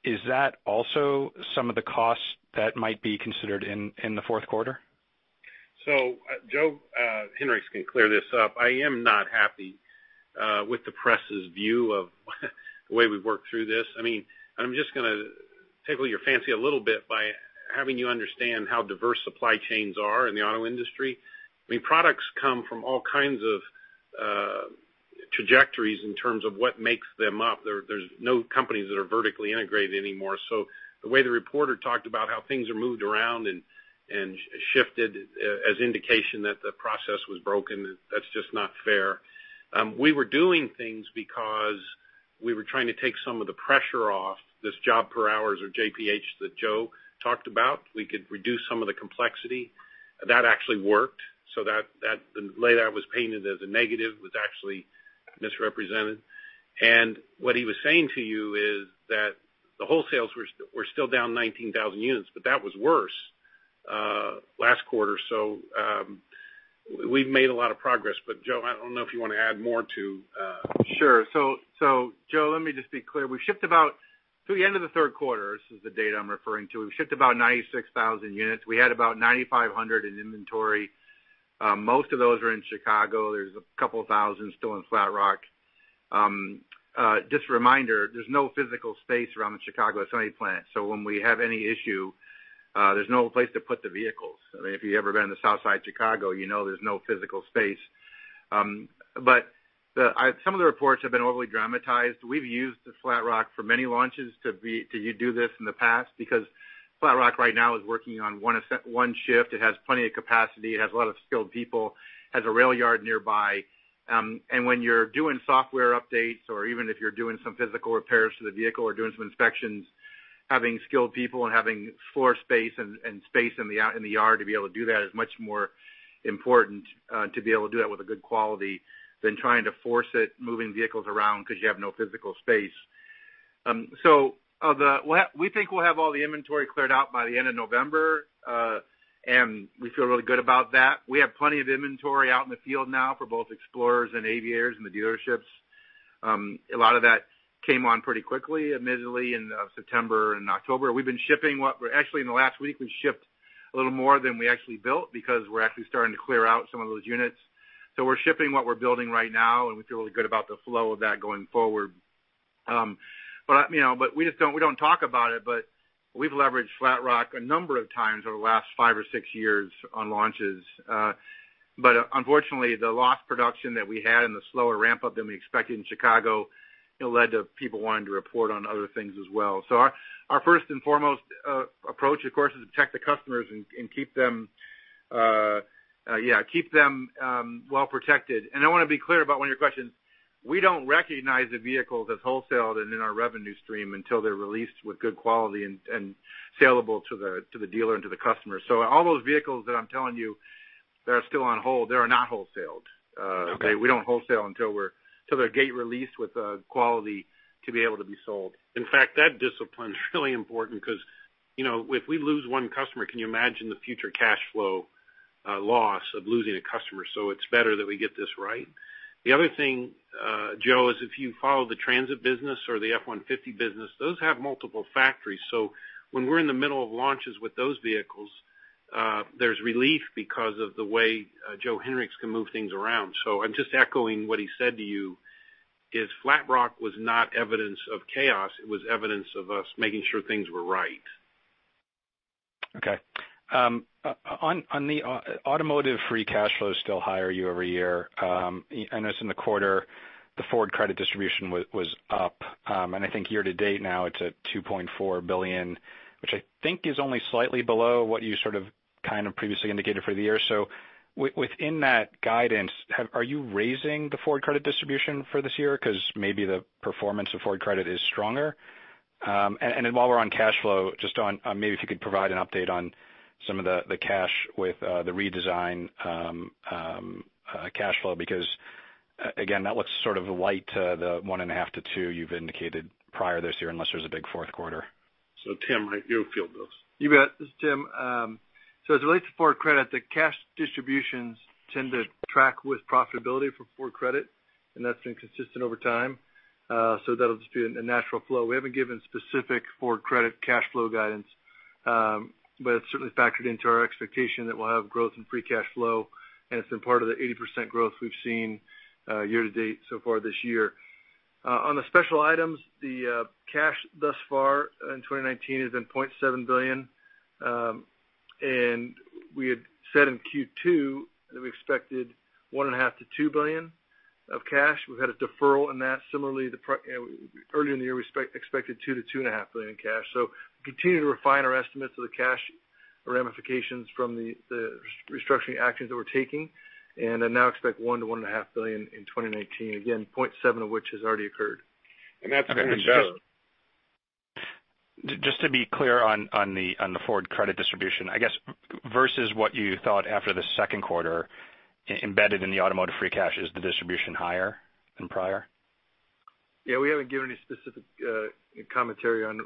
is that also some of the costs that might be considered in the fourth quarter? Joe Hinrichs can clear this up. I am not happy with the press's view of the way we've worked through this. I'm just going to tickle your fancy a little bit by having you understand how diverse supply chains are in the auto industry. Products come from all kinds of trajectories in terms of what makes them up. There's no companies that are vertically integrated anymore. The way the reporter talked about how things are moved around and shifted as indication that the process was broken, that's just not fair. We were doing things because we were trying to take some of the pressure off this job per hours, or JPH, that Joe talked about. We could reduce some of the complexity. That actually worked. The way that was painted as a negative was actually misrepresented. What he was saying to you is that the wholesales were still down 19,000 units, but that was worse last quarter. We've made a lot of progress. Joe, I don't know if you want to add more to- Sure. Joe, let me just be clear. We shipped about, through the end of the third quarter, this is the data I'm referring to, we shipped about 96,000 units. We had about 9,500 in inventory. Most of those are in Chicago. There's a couple thousand still in Flat Rock. Just a reminder, there's no physical space around the Chicago Assembly Plant. When we have any issue, there's no place to put the vehicles. If you've ever been to the South Side of Chicago, you know there's no physical space. Some of the reports have been overly dramatized. We've used Flat Rock for many launches to do this in the past because Flat Rock right now is working on one shift. It has plenty of capacity. It has a lot of skilled people, has a rail yard nearby. When you're doing software updates or even if you're doing some physical repairs to the vehicle or doing some inspections, having skilled people and having floor space and space in the yard to be able to do that is much more important to be able to do that with a good quality than trying to force it, moving vehicles around because you have no physical space. We think we'll have all the inventory cleared out by the end of November. We feel really good about that. We have plenty of inventory out in the field now for both Explorers and Aviators in the dealerships. A lot of that came on pretty quickly, admittedly, in September and October. Actually, in the last week, we've shipped a little more than we actually built because we're actually starting to clear out some of those units. We're shipping what we're building right now, and we feel really good about the flow of that going forward. We don't talk about it, but we've leveraged Flat Rock a number of times over the last five or six years on launches. Unfortunately, the lost production that we had and the slower ramp-up than we expected in Chicago, led to people wanting to report on other things as well. Our first and foremost approach, of course, is to protect the customers and keep them well protected. I want to be clear about one of your questions. We don't recognize the vehicles as wholesaled and in our revenue stream until they're released with good quality and saleable to the dealer and to the customer. All those vehicles that I'm telling you that are still on hold, they are not wholesaled. Okay. We don't wholesale until they're gate released with quality to be able to be sold. In fact, that discipline is really important because if we lose one customer, can you imagine the future cash flow loss of losing a customer? It's better that we get this right. The other thing, Joe, is if you follow the Transit business or the F-150 business, those have multiple factories. When we're in the middle of launches with those vehicles, there's relief because of the way Joe Hinrichs can move things around. I'm just echoing what he said to you is Flat Rock was not evidence of chaos. It was evidence of us making sure things were right. On the automotive free cash flow still higher year-over-year. I noticed in the quarter, the Ford Credit distribution was up, and I think year-to-date now it's at $2.4 billion, which I think is only slightly below what you sort of previously indicated for the year. Within that guidance, are you raising the Ford Credit distribution for this year? Because maybe the performance of Ford Credit is stronger. While we're on cash flow, just on maybe if you could provide an update on some of the cash with the redesign cash flow, because, again, that looks sort of light to the $1.5 billion-$2 billion you've indicated prior this year, unless there's a big fourth quarter. Tim, you field this. You bet. This is Tim. As it relates to Ford Credit, the cash distributions tend to track with profitability for Ford Credit, and that's been consistent over time. That'll just be a natural flow. We haven't given specific Ford Credit cash flow guidance. It's certainly factored into our expectation that we'll have growth in free cash flow, and it's been part of the 80% growth we've seen year to date so far this year. On the special items, the cash thus far in 2019 has been $0.7 billion. We had said in Q2 that we expected $1.5 billion-$2 billion of cash. We've had a deferral in that. Similarly, earlier in the year, we expected $2 billion-$2.5 billion in cash. We continue to refine our estimates of the cash ramifications from the restructuring actions that we're taking, and I now expect $1 billion-$1.5 billion in 2019, again, 0.7 of which has already occurred. That's kind of. Just to be clear on the Ford Credit distribution, I guess, versus what you thought after the second quarter embedded in the automotive free cash, is the distribution higher than prior? Yeah, we haven't given any specific commentary on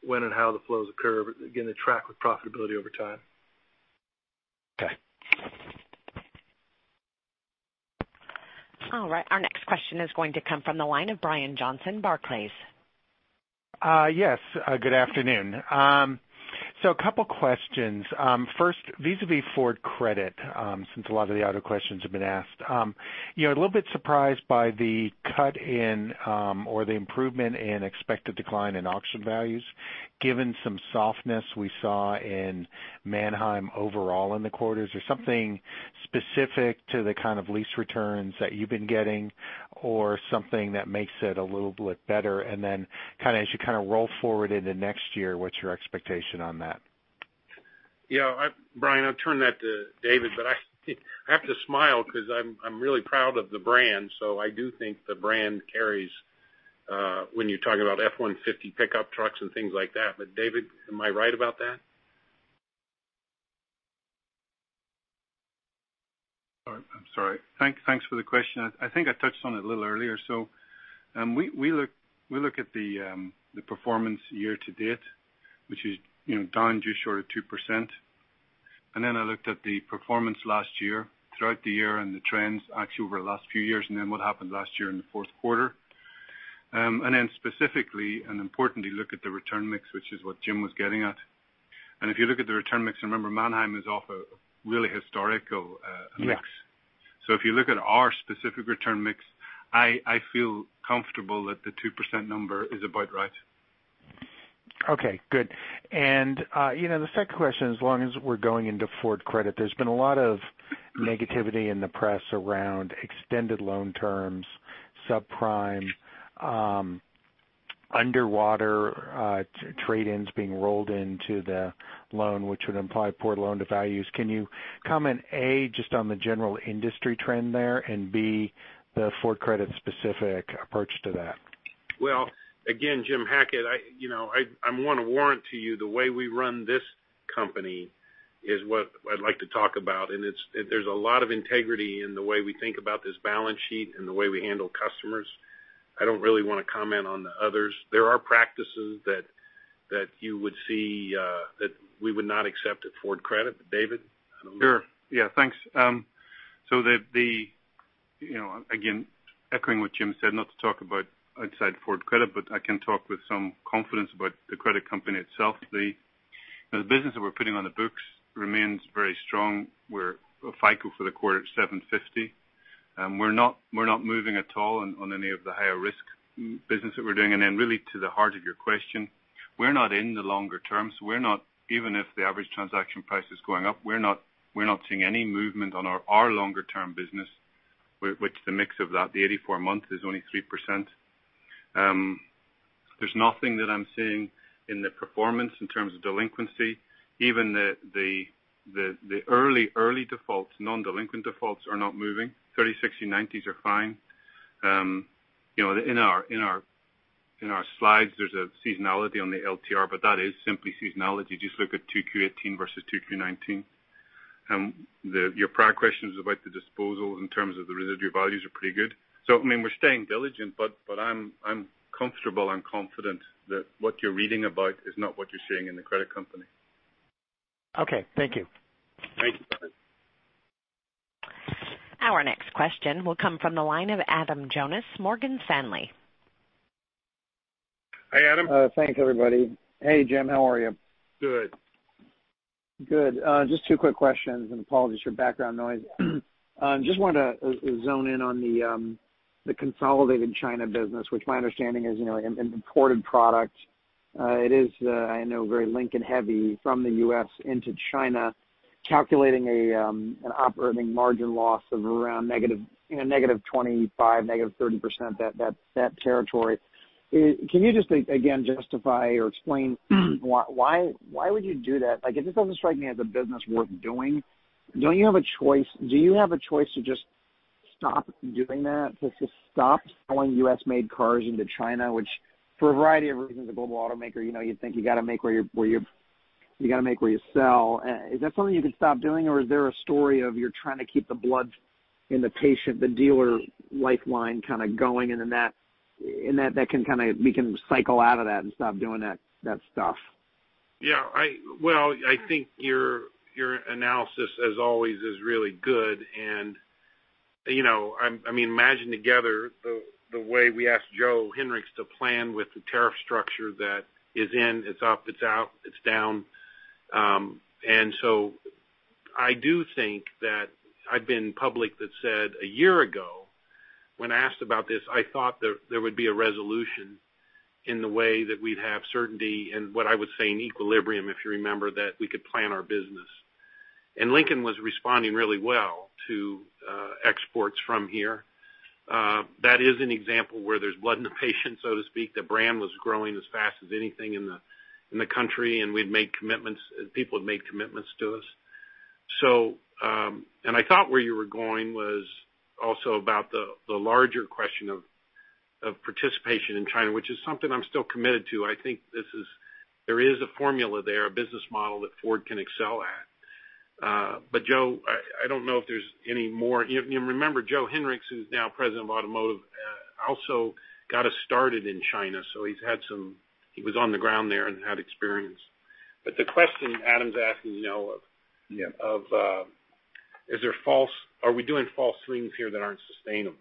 when and how the flows occur, but again, they track with profitability over time. Okay. All right, our next question is going to come from the line of Brian Johnson, Barclays. Yes, good afternoon. A couple questions. First, vis-a-vis Ford Credit, since a lot of the other questions have been asked. A little bit surprised by the cut in or the improvement in expected decline in auction values, given some softness we saw in Manheim overall in the quarters. Is there something specific to the kind of lease returns that you've been getting or something that makes it a little bit better? As you kind of roll forward into next year, what's your expectation on that? Yeah, Brian, I'll turn that to David, but I have to smile because I'm really proud of the brand. I do think the brand carries when you're talking about F-150 pickup trucks and things like that. David, am I right about that? All right, I'm sorry. Thanks for the question. I think I touched on it a little earlier. We look at the performance year to date, which is down just short of 2%. I looked at the performance last year, throughout the year, and the trends actually over the last few years, and then what happened last year in the fourth quarter. Specifically and importantly, look at the return mix, which is what Jim was getting at. If you look at the return mix, remember, Manheim is off a really historical mix. Yeah. If you look at our specific return mix, I feel comfortable that the 2% number is about right. Okay, good. The second question is, as long as we're going into Ford Credit, there's been a lot of negativity in the press around extended loan terms, subprime, underwater trade-ins being rolled into the loan, which would imply poor loan to values. Can you comment, A, just on the general industry trend there, and B, the Ford Credit specific approach to that? Well, again, Jim Hackett, I want to warrant to you the way we run this company is what I'd like to talk about. There's a lot of integrity in the way we think about this balance sheet and the way we handle customers. I don't really want to comment on the others. There are practices that you would see that we would not accept at Ford Credit. David, I don't know. Sure. Yeah, thanks. Again, echoing what Jim said, not to talk about outside Ford Credit, but I can talk with some confidence about the credit company itself. The business that we're putting on the books remains very strong. We're FICO for the quarter at 750. We're not moving at all on any of the higher risk business that we're doing. Really to the heart of your question, we're not in the longer terms. Even if the average transaction price is going up, we're not seeing any movement on our longer-term business, which the mix of that, the 84 month is only 3%. There's nothing that I'm seeing in the performance in terms of delinquency. Even the early defaults, non-delinquent defaults are not moving. 30, 60, 90s are fine. In our slides, there's a seasonality on the LTR, that is simply seasonality. Just look at 2Q18 versus 2Q19. Your prior questions about the disposal in terms of the residual values are pretty good. We're staying diligent, but I'm comfortable and confident that what you're reading about is not what you're seeing in the Credit Company. Okay. Thank you. Thank you. Our next question will come from the line of Adam Jonas, Morgan Stanley. Hi, Adam. Thanks, everybody. Hey, Jim. How are you? Good. Good. Just two quick questions and apologies for background noise. Just wanted to zone in on the consolidated China business, which my understanding is an imported product. It is, I know, very Lincoln heavy from the U.S. into China, calculating an operating margin loss of around -25%, -30%, that territory. Can you just, again, justify or explain why would you do that? This doesn't strike me as a business worth doing. Do you have a choice to just stop doing that, to just stop selling U.S.-made cars into China, which for a variety of reasons, a global automaker, you'd think you got to make where you sell. Is that something you can stop doing, or is there a story of you're trying to keep the blood in the patient, the dealer lifeline kind of going, and then we can cycle out of that and stop doing that stuff? Yeah. Well, I think your analysis, as always, is really good. Imagine together the way we asked Joe Hinrichs to plan with the tariff structure that is in, it's up, it's out, it's down. I do think that I've been public that said a year ago, when asked about this, I thought there would be a resolution in the way that we'd have certainty and what I would say an equilibrium, if you remember, that we could plan our business. Lincoln was responding really well to exports from here. That is an example where there's blood in the patient, so to speak. The brand was growing as fast as anything in the country, and people had made commitments to us. I thought where you were going was also about the larger question of participation in China, which is something I'm still committed to. I think there is a formula there, a business model that Ford can excel at. Joe, I don't know if there's any more. You remember Joe Hinrichs, who's now President of Automotive, also got us started in China. He was on the ground there and had experience. The question Adam's asking now. Yeah Are we doing false swings here that aren't sustainable?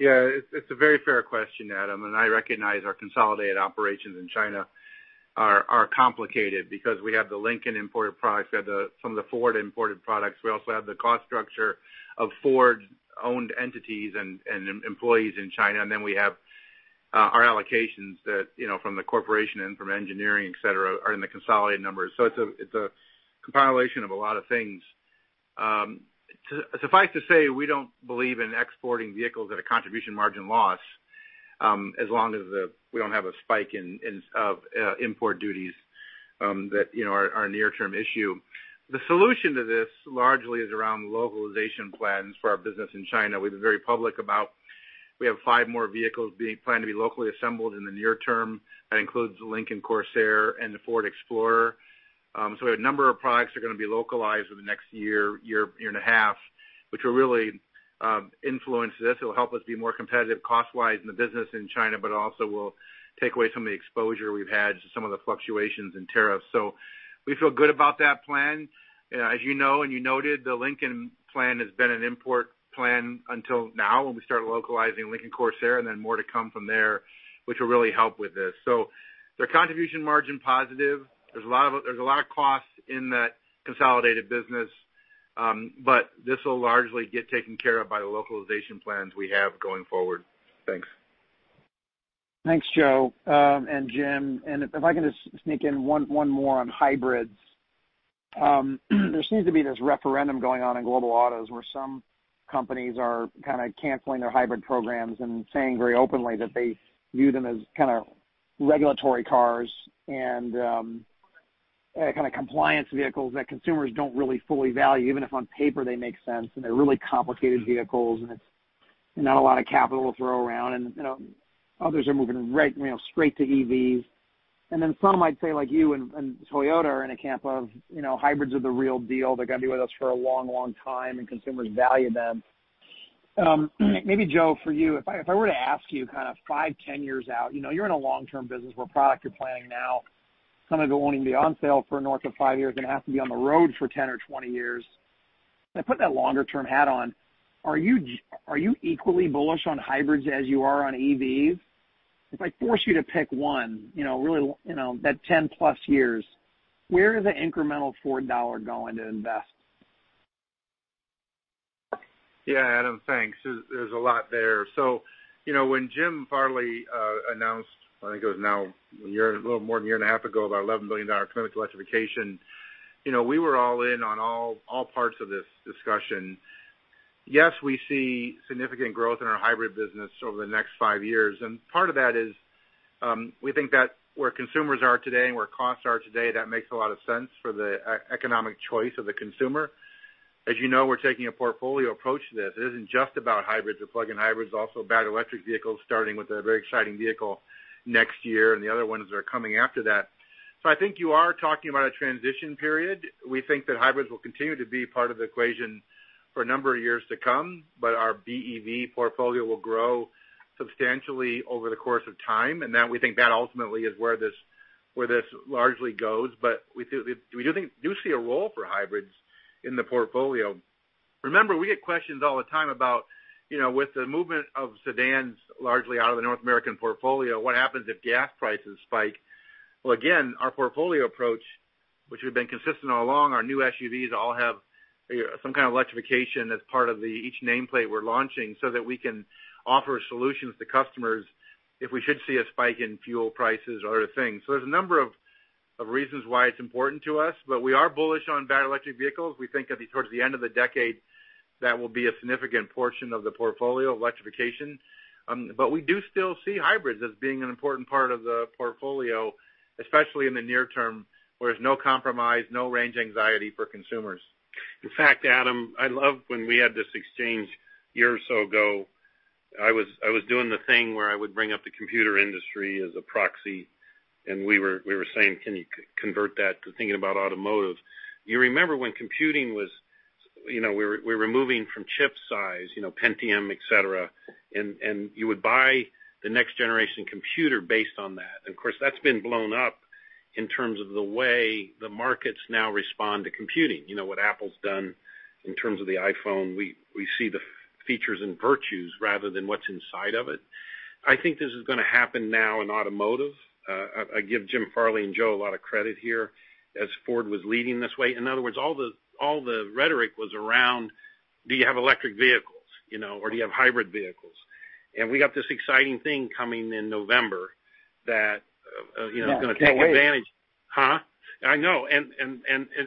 Yeah, it's a very fair question, Adam, and I recognize our consolidated operations in China are complicated because we have the Lincoln imported products, we have some of the Ford imported products. We also have the cost structure of Ford-owned entities and employees in China. We have our allocations that, from the corporation and from engineering, et cetera, are in the consolidated numbers. It's a compilation of a lot of things. Suffice to say, we don't believe in exporting vehicles at a contribution margin loss, as long as we don't have a spike of import duties that are a near-term issue. The solution to this largely is around the localization plans for our business in China. We've been very public about we have five more vehicles planned to be locally assembled in the near term. That includes the Lincoln Corsair and the Ford Explorer. We have a number of products that are going to be localized over the next year and a half, which will really influence this. It will help us be more competitive cost-wise in the business in China, but also will take away some of the exposure we've had to some of the fluctuations in tariffs. We feel good about that plan. As you know and you noted, the Lincoln plan has been an import plan until now when we started localizing Lincoln Corsair and then more to come from there, which will really help with this. They're contribution margin positive. There's a lot of costs in that consolidated business. This will largely get taken care of by the localization plans we have going forward. Thanks. Thanks, Joe and Jim. If I can just sneak in one more on hybrids. There seems to be this referendum going on in global autos where some companies are kind of canceling their hybrid programs and saying very openly that they view them as kind of regulatory cars and kind of compliance vehicles that consumers don't really fully value, even if on paper they make sense and they're really complicated vehicles and not a lot of capital to throw around. Others are moving straight to EVs. Then some, I'd say like you and Toyota are in a camp of hybrids are the real deal. They're going to be with us for a long time, and consumers value them. Maybe Joe, for you, if I were to ask you kind of five, 10 years out. You're in a long-term business where product you're planning now, some of it won't even be on sale for north of five years, going to have to be on the road for 10 or 20 years. Now put that longer-term hat on. Are you equally bullish on hybrids as you are on EVs? If I force you to pick one, that 10-plus years, where is the incremental Ford dollar going to invest? Yeah, Adam, thanks. There's a lot there. When Jim Farley announced, I think it was now a little more than a year and a half ago, about our $11 billion commitment to electrification, we were all in on all parts of this discussion. Yes, we see significant growth in our hybrid business over the next five years, part of that is we think that where consumers are today and where costs are today, that makes a lot of sense for the economic choice of the consumer. As you know, we're taking a portfolio approach to this. It isn't just about hybrids or plug-in hybrids, also about electric vehicles, starting with a very exciting vehicle next year and the other ones that are coming after that. I think you are talking about a transition period. We think that hybrids will continue to be part of the equation for a number of years to come, but our BEV portfolio will grow substantially over the course of time, and we think that ultimately is where this largely goes. We do see a role for hybrids in the portfolio. Remember, we get questions all the time about with the movement of sedans largely out of the North American portfolio, what happens if gas prices spike? Again, our portfolio approach, which we've been consistent all along, our new SUVs all have some kind of electrification as part of each nameplate we're launching so that we can offer solutions to customers if we should see a spike in fuel prices or other things. There's a number of reasons why it's important to us, but we are bullish on battery electric vehicles. We think that towards the end of the decade, that will be a significant portion of the portfolio, electrification. We do still see hybrids as being an important part of the portfolio, especially in the near term, where there's no compromise, no range anxiety for consumers. In fact, Adam, I love when we had this exchange a year or so ago. I was doing the thing where I would bring up the computer industry as a proxy, and we were saying, can you convert that to thinking about automotive? You remember when computing we were moving from chip size, Pentium, et cetera, and you would buy the next-generation computer based on that. Of course, that's been blown up in terms of the way the markets now respond to computing. What Apple's done in terms of the iPhone, we see the features and virtues rather than what's inside of it. I think this is going to happen now in automotive. I give Jim Farley and Joe a lot of credit here, as Ford was leading this way. In other words, all the rhetoric was around, do you have electric vehicles, or do you have hybrid vehicles? We got this exciting thing coming in November. Yeah. Can't wait. is going to take advantage. Huh? I know.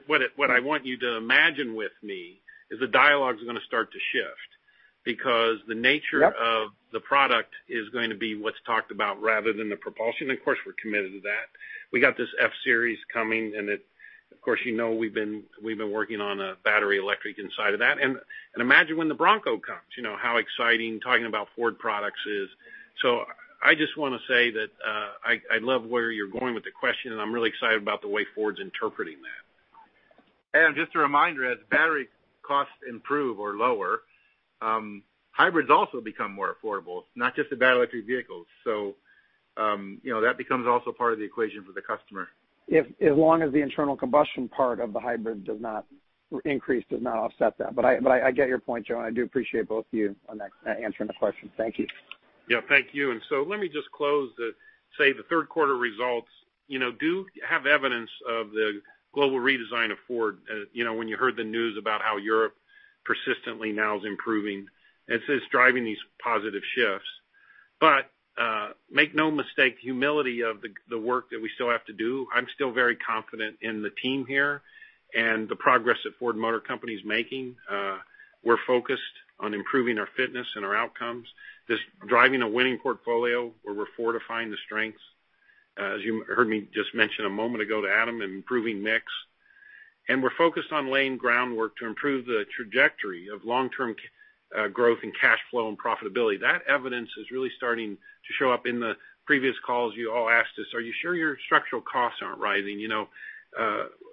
What I want you to imagine with me is the dialogue's going to start to shift. Yep of the product is going to be what's talked about rather than the propulsion. Of course, we're committed to that. We got this F-Series coming, of course, you know we've been working on a battery electric inside of that. Imagine when the Bronco comes, how exciting talking about Ford products is. I just want to say that I love where you're going with the question, and I'm really excited about the way Ford's interpreting that. Just a reminder, as battery costs improve or lower, hybrids also become more affordable, not just the battery electric vehicles. That becomes also part of the equation for the customer. As long as the internal combustion part of the hybrid does not increase, does not offset that. I get your point, Joe, and I do appreciate both of you on answering the question. Thank you. Yeah, thank you. Let me just close, say the third quarter results do have evidence of the global redesign of Ford. When you heard the news about how Europe persistently now is improving, and so it's driving these positive shifts. Make no mistake, humility of the work that we still have to do, I'm still very confident in the team here and the progress that Ford Motor Company's making. We're focused on improving our fitness and our outcomes, just driving a winning portfolio where we're fortifying the strengths. As you heard me just mention a moment ago to Adam, improving mix. We're focused on laying groundwork to improve the trajectory of long-term growth and cash flow and profitability. That evidence is really starting to show up. In the previous calls, you all asked us, "Are you sure your structural costs aren't rising?"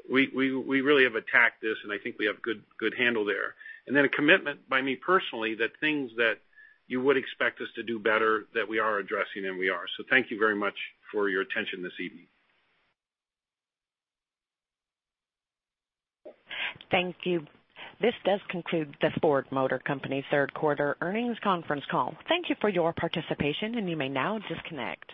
We really have attacked this, and I think we have good handle there. A commitment by me personally that things that you would expect us to do better, that we are addressing, and we are. Thank you very much for your attention this evening. Thank you. This does conclude this Ford Motor Company third quarter earnings conference call. Thank you for your participation, and you may now disconnect.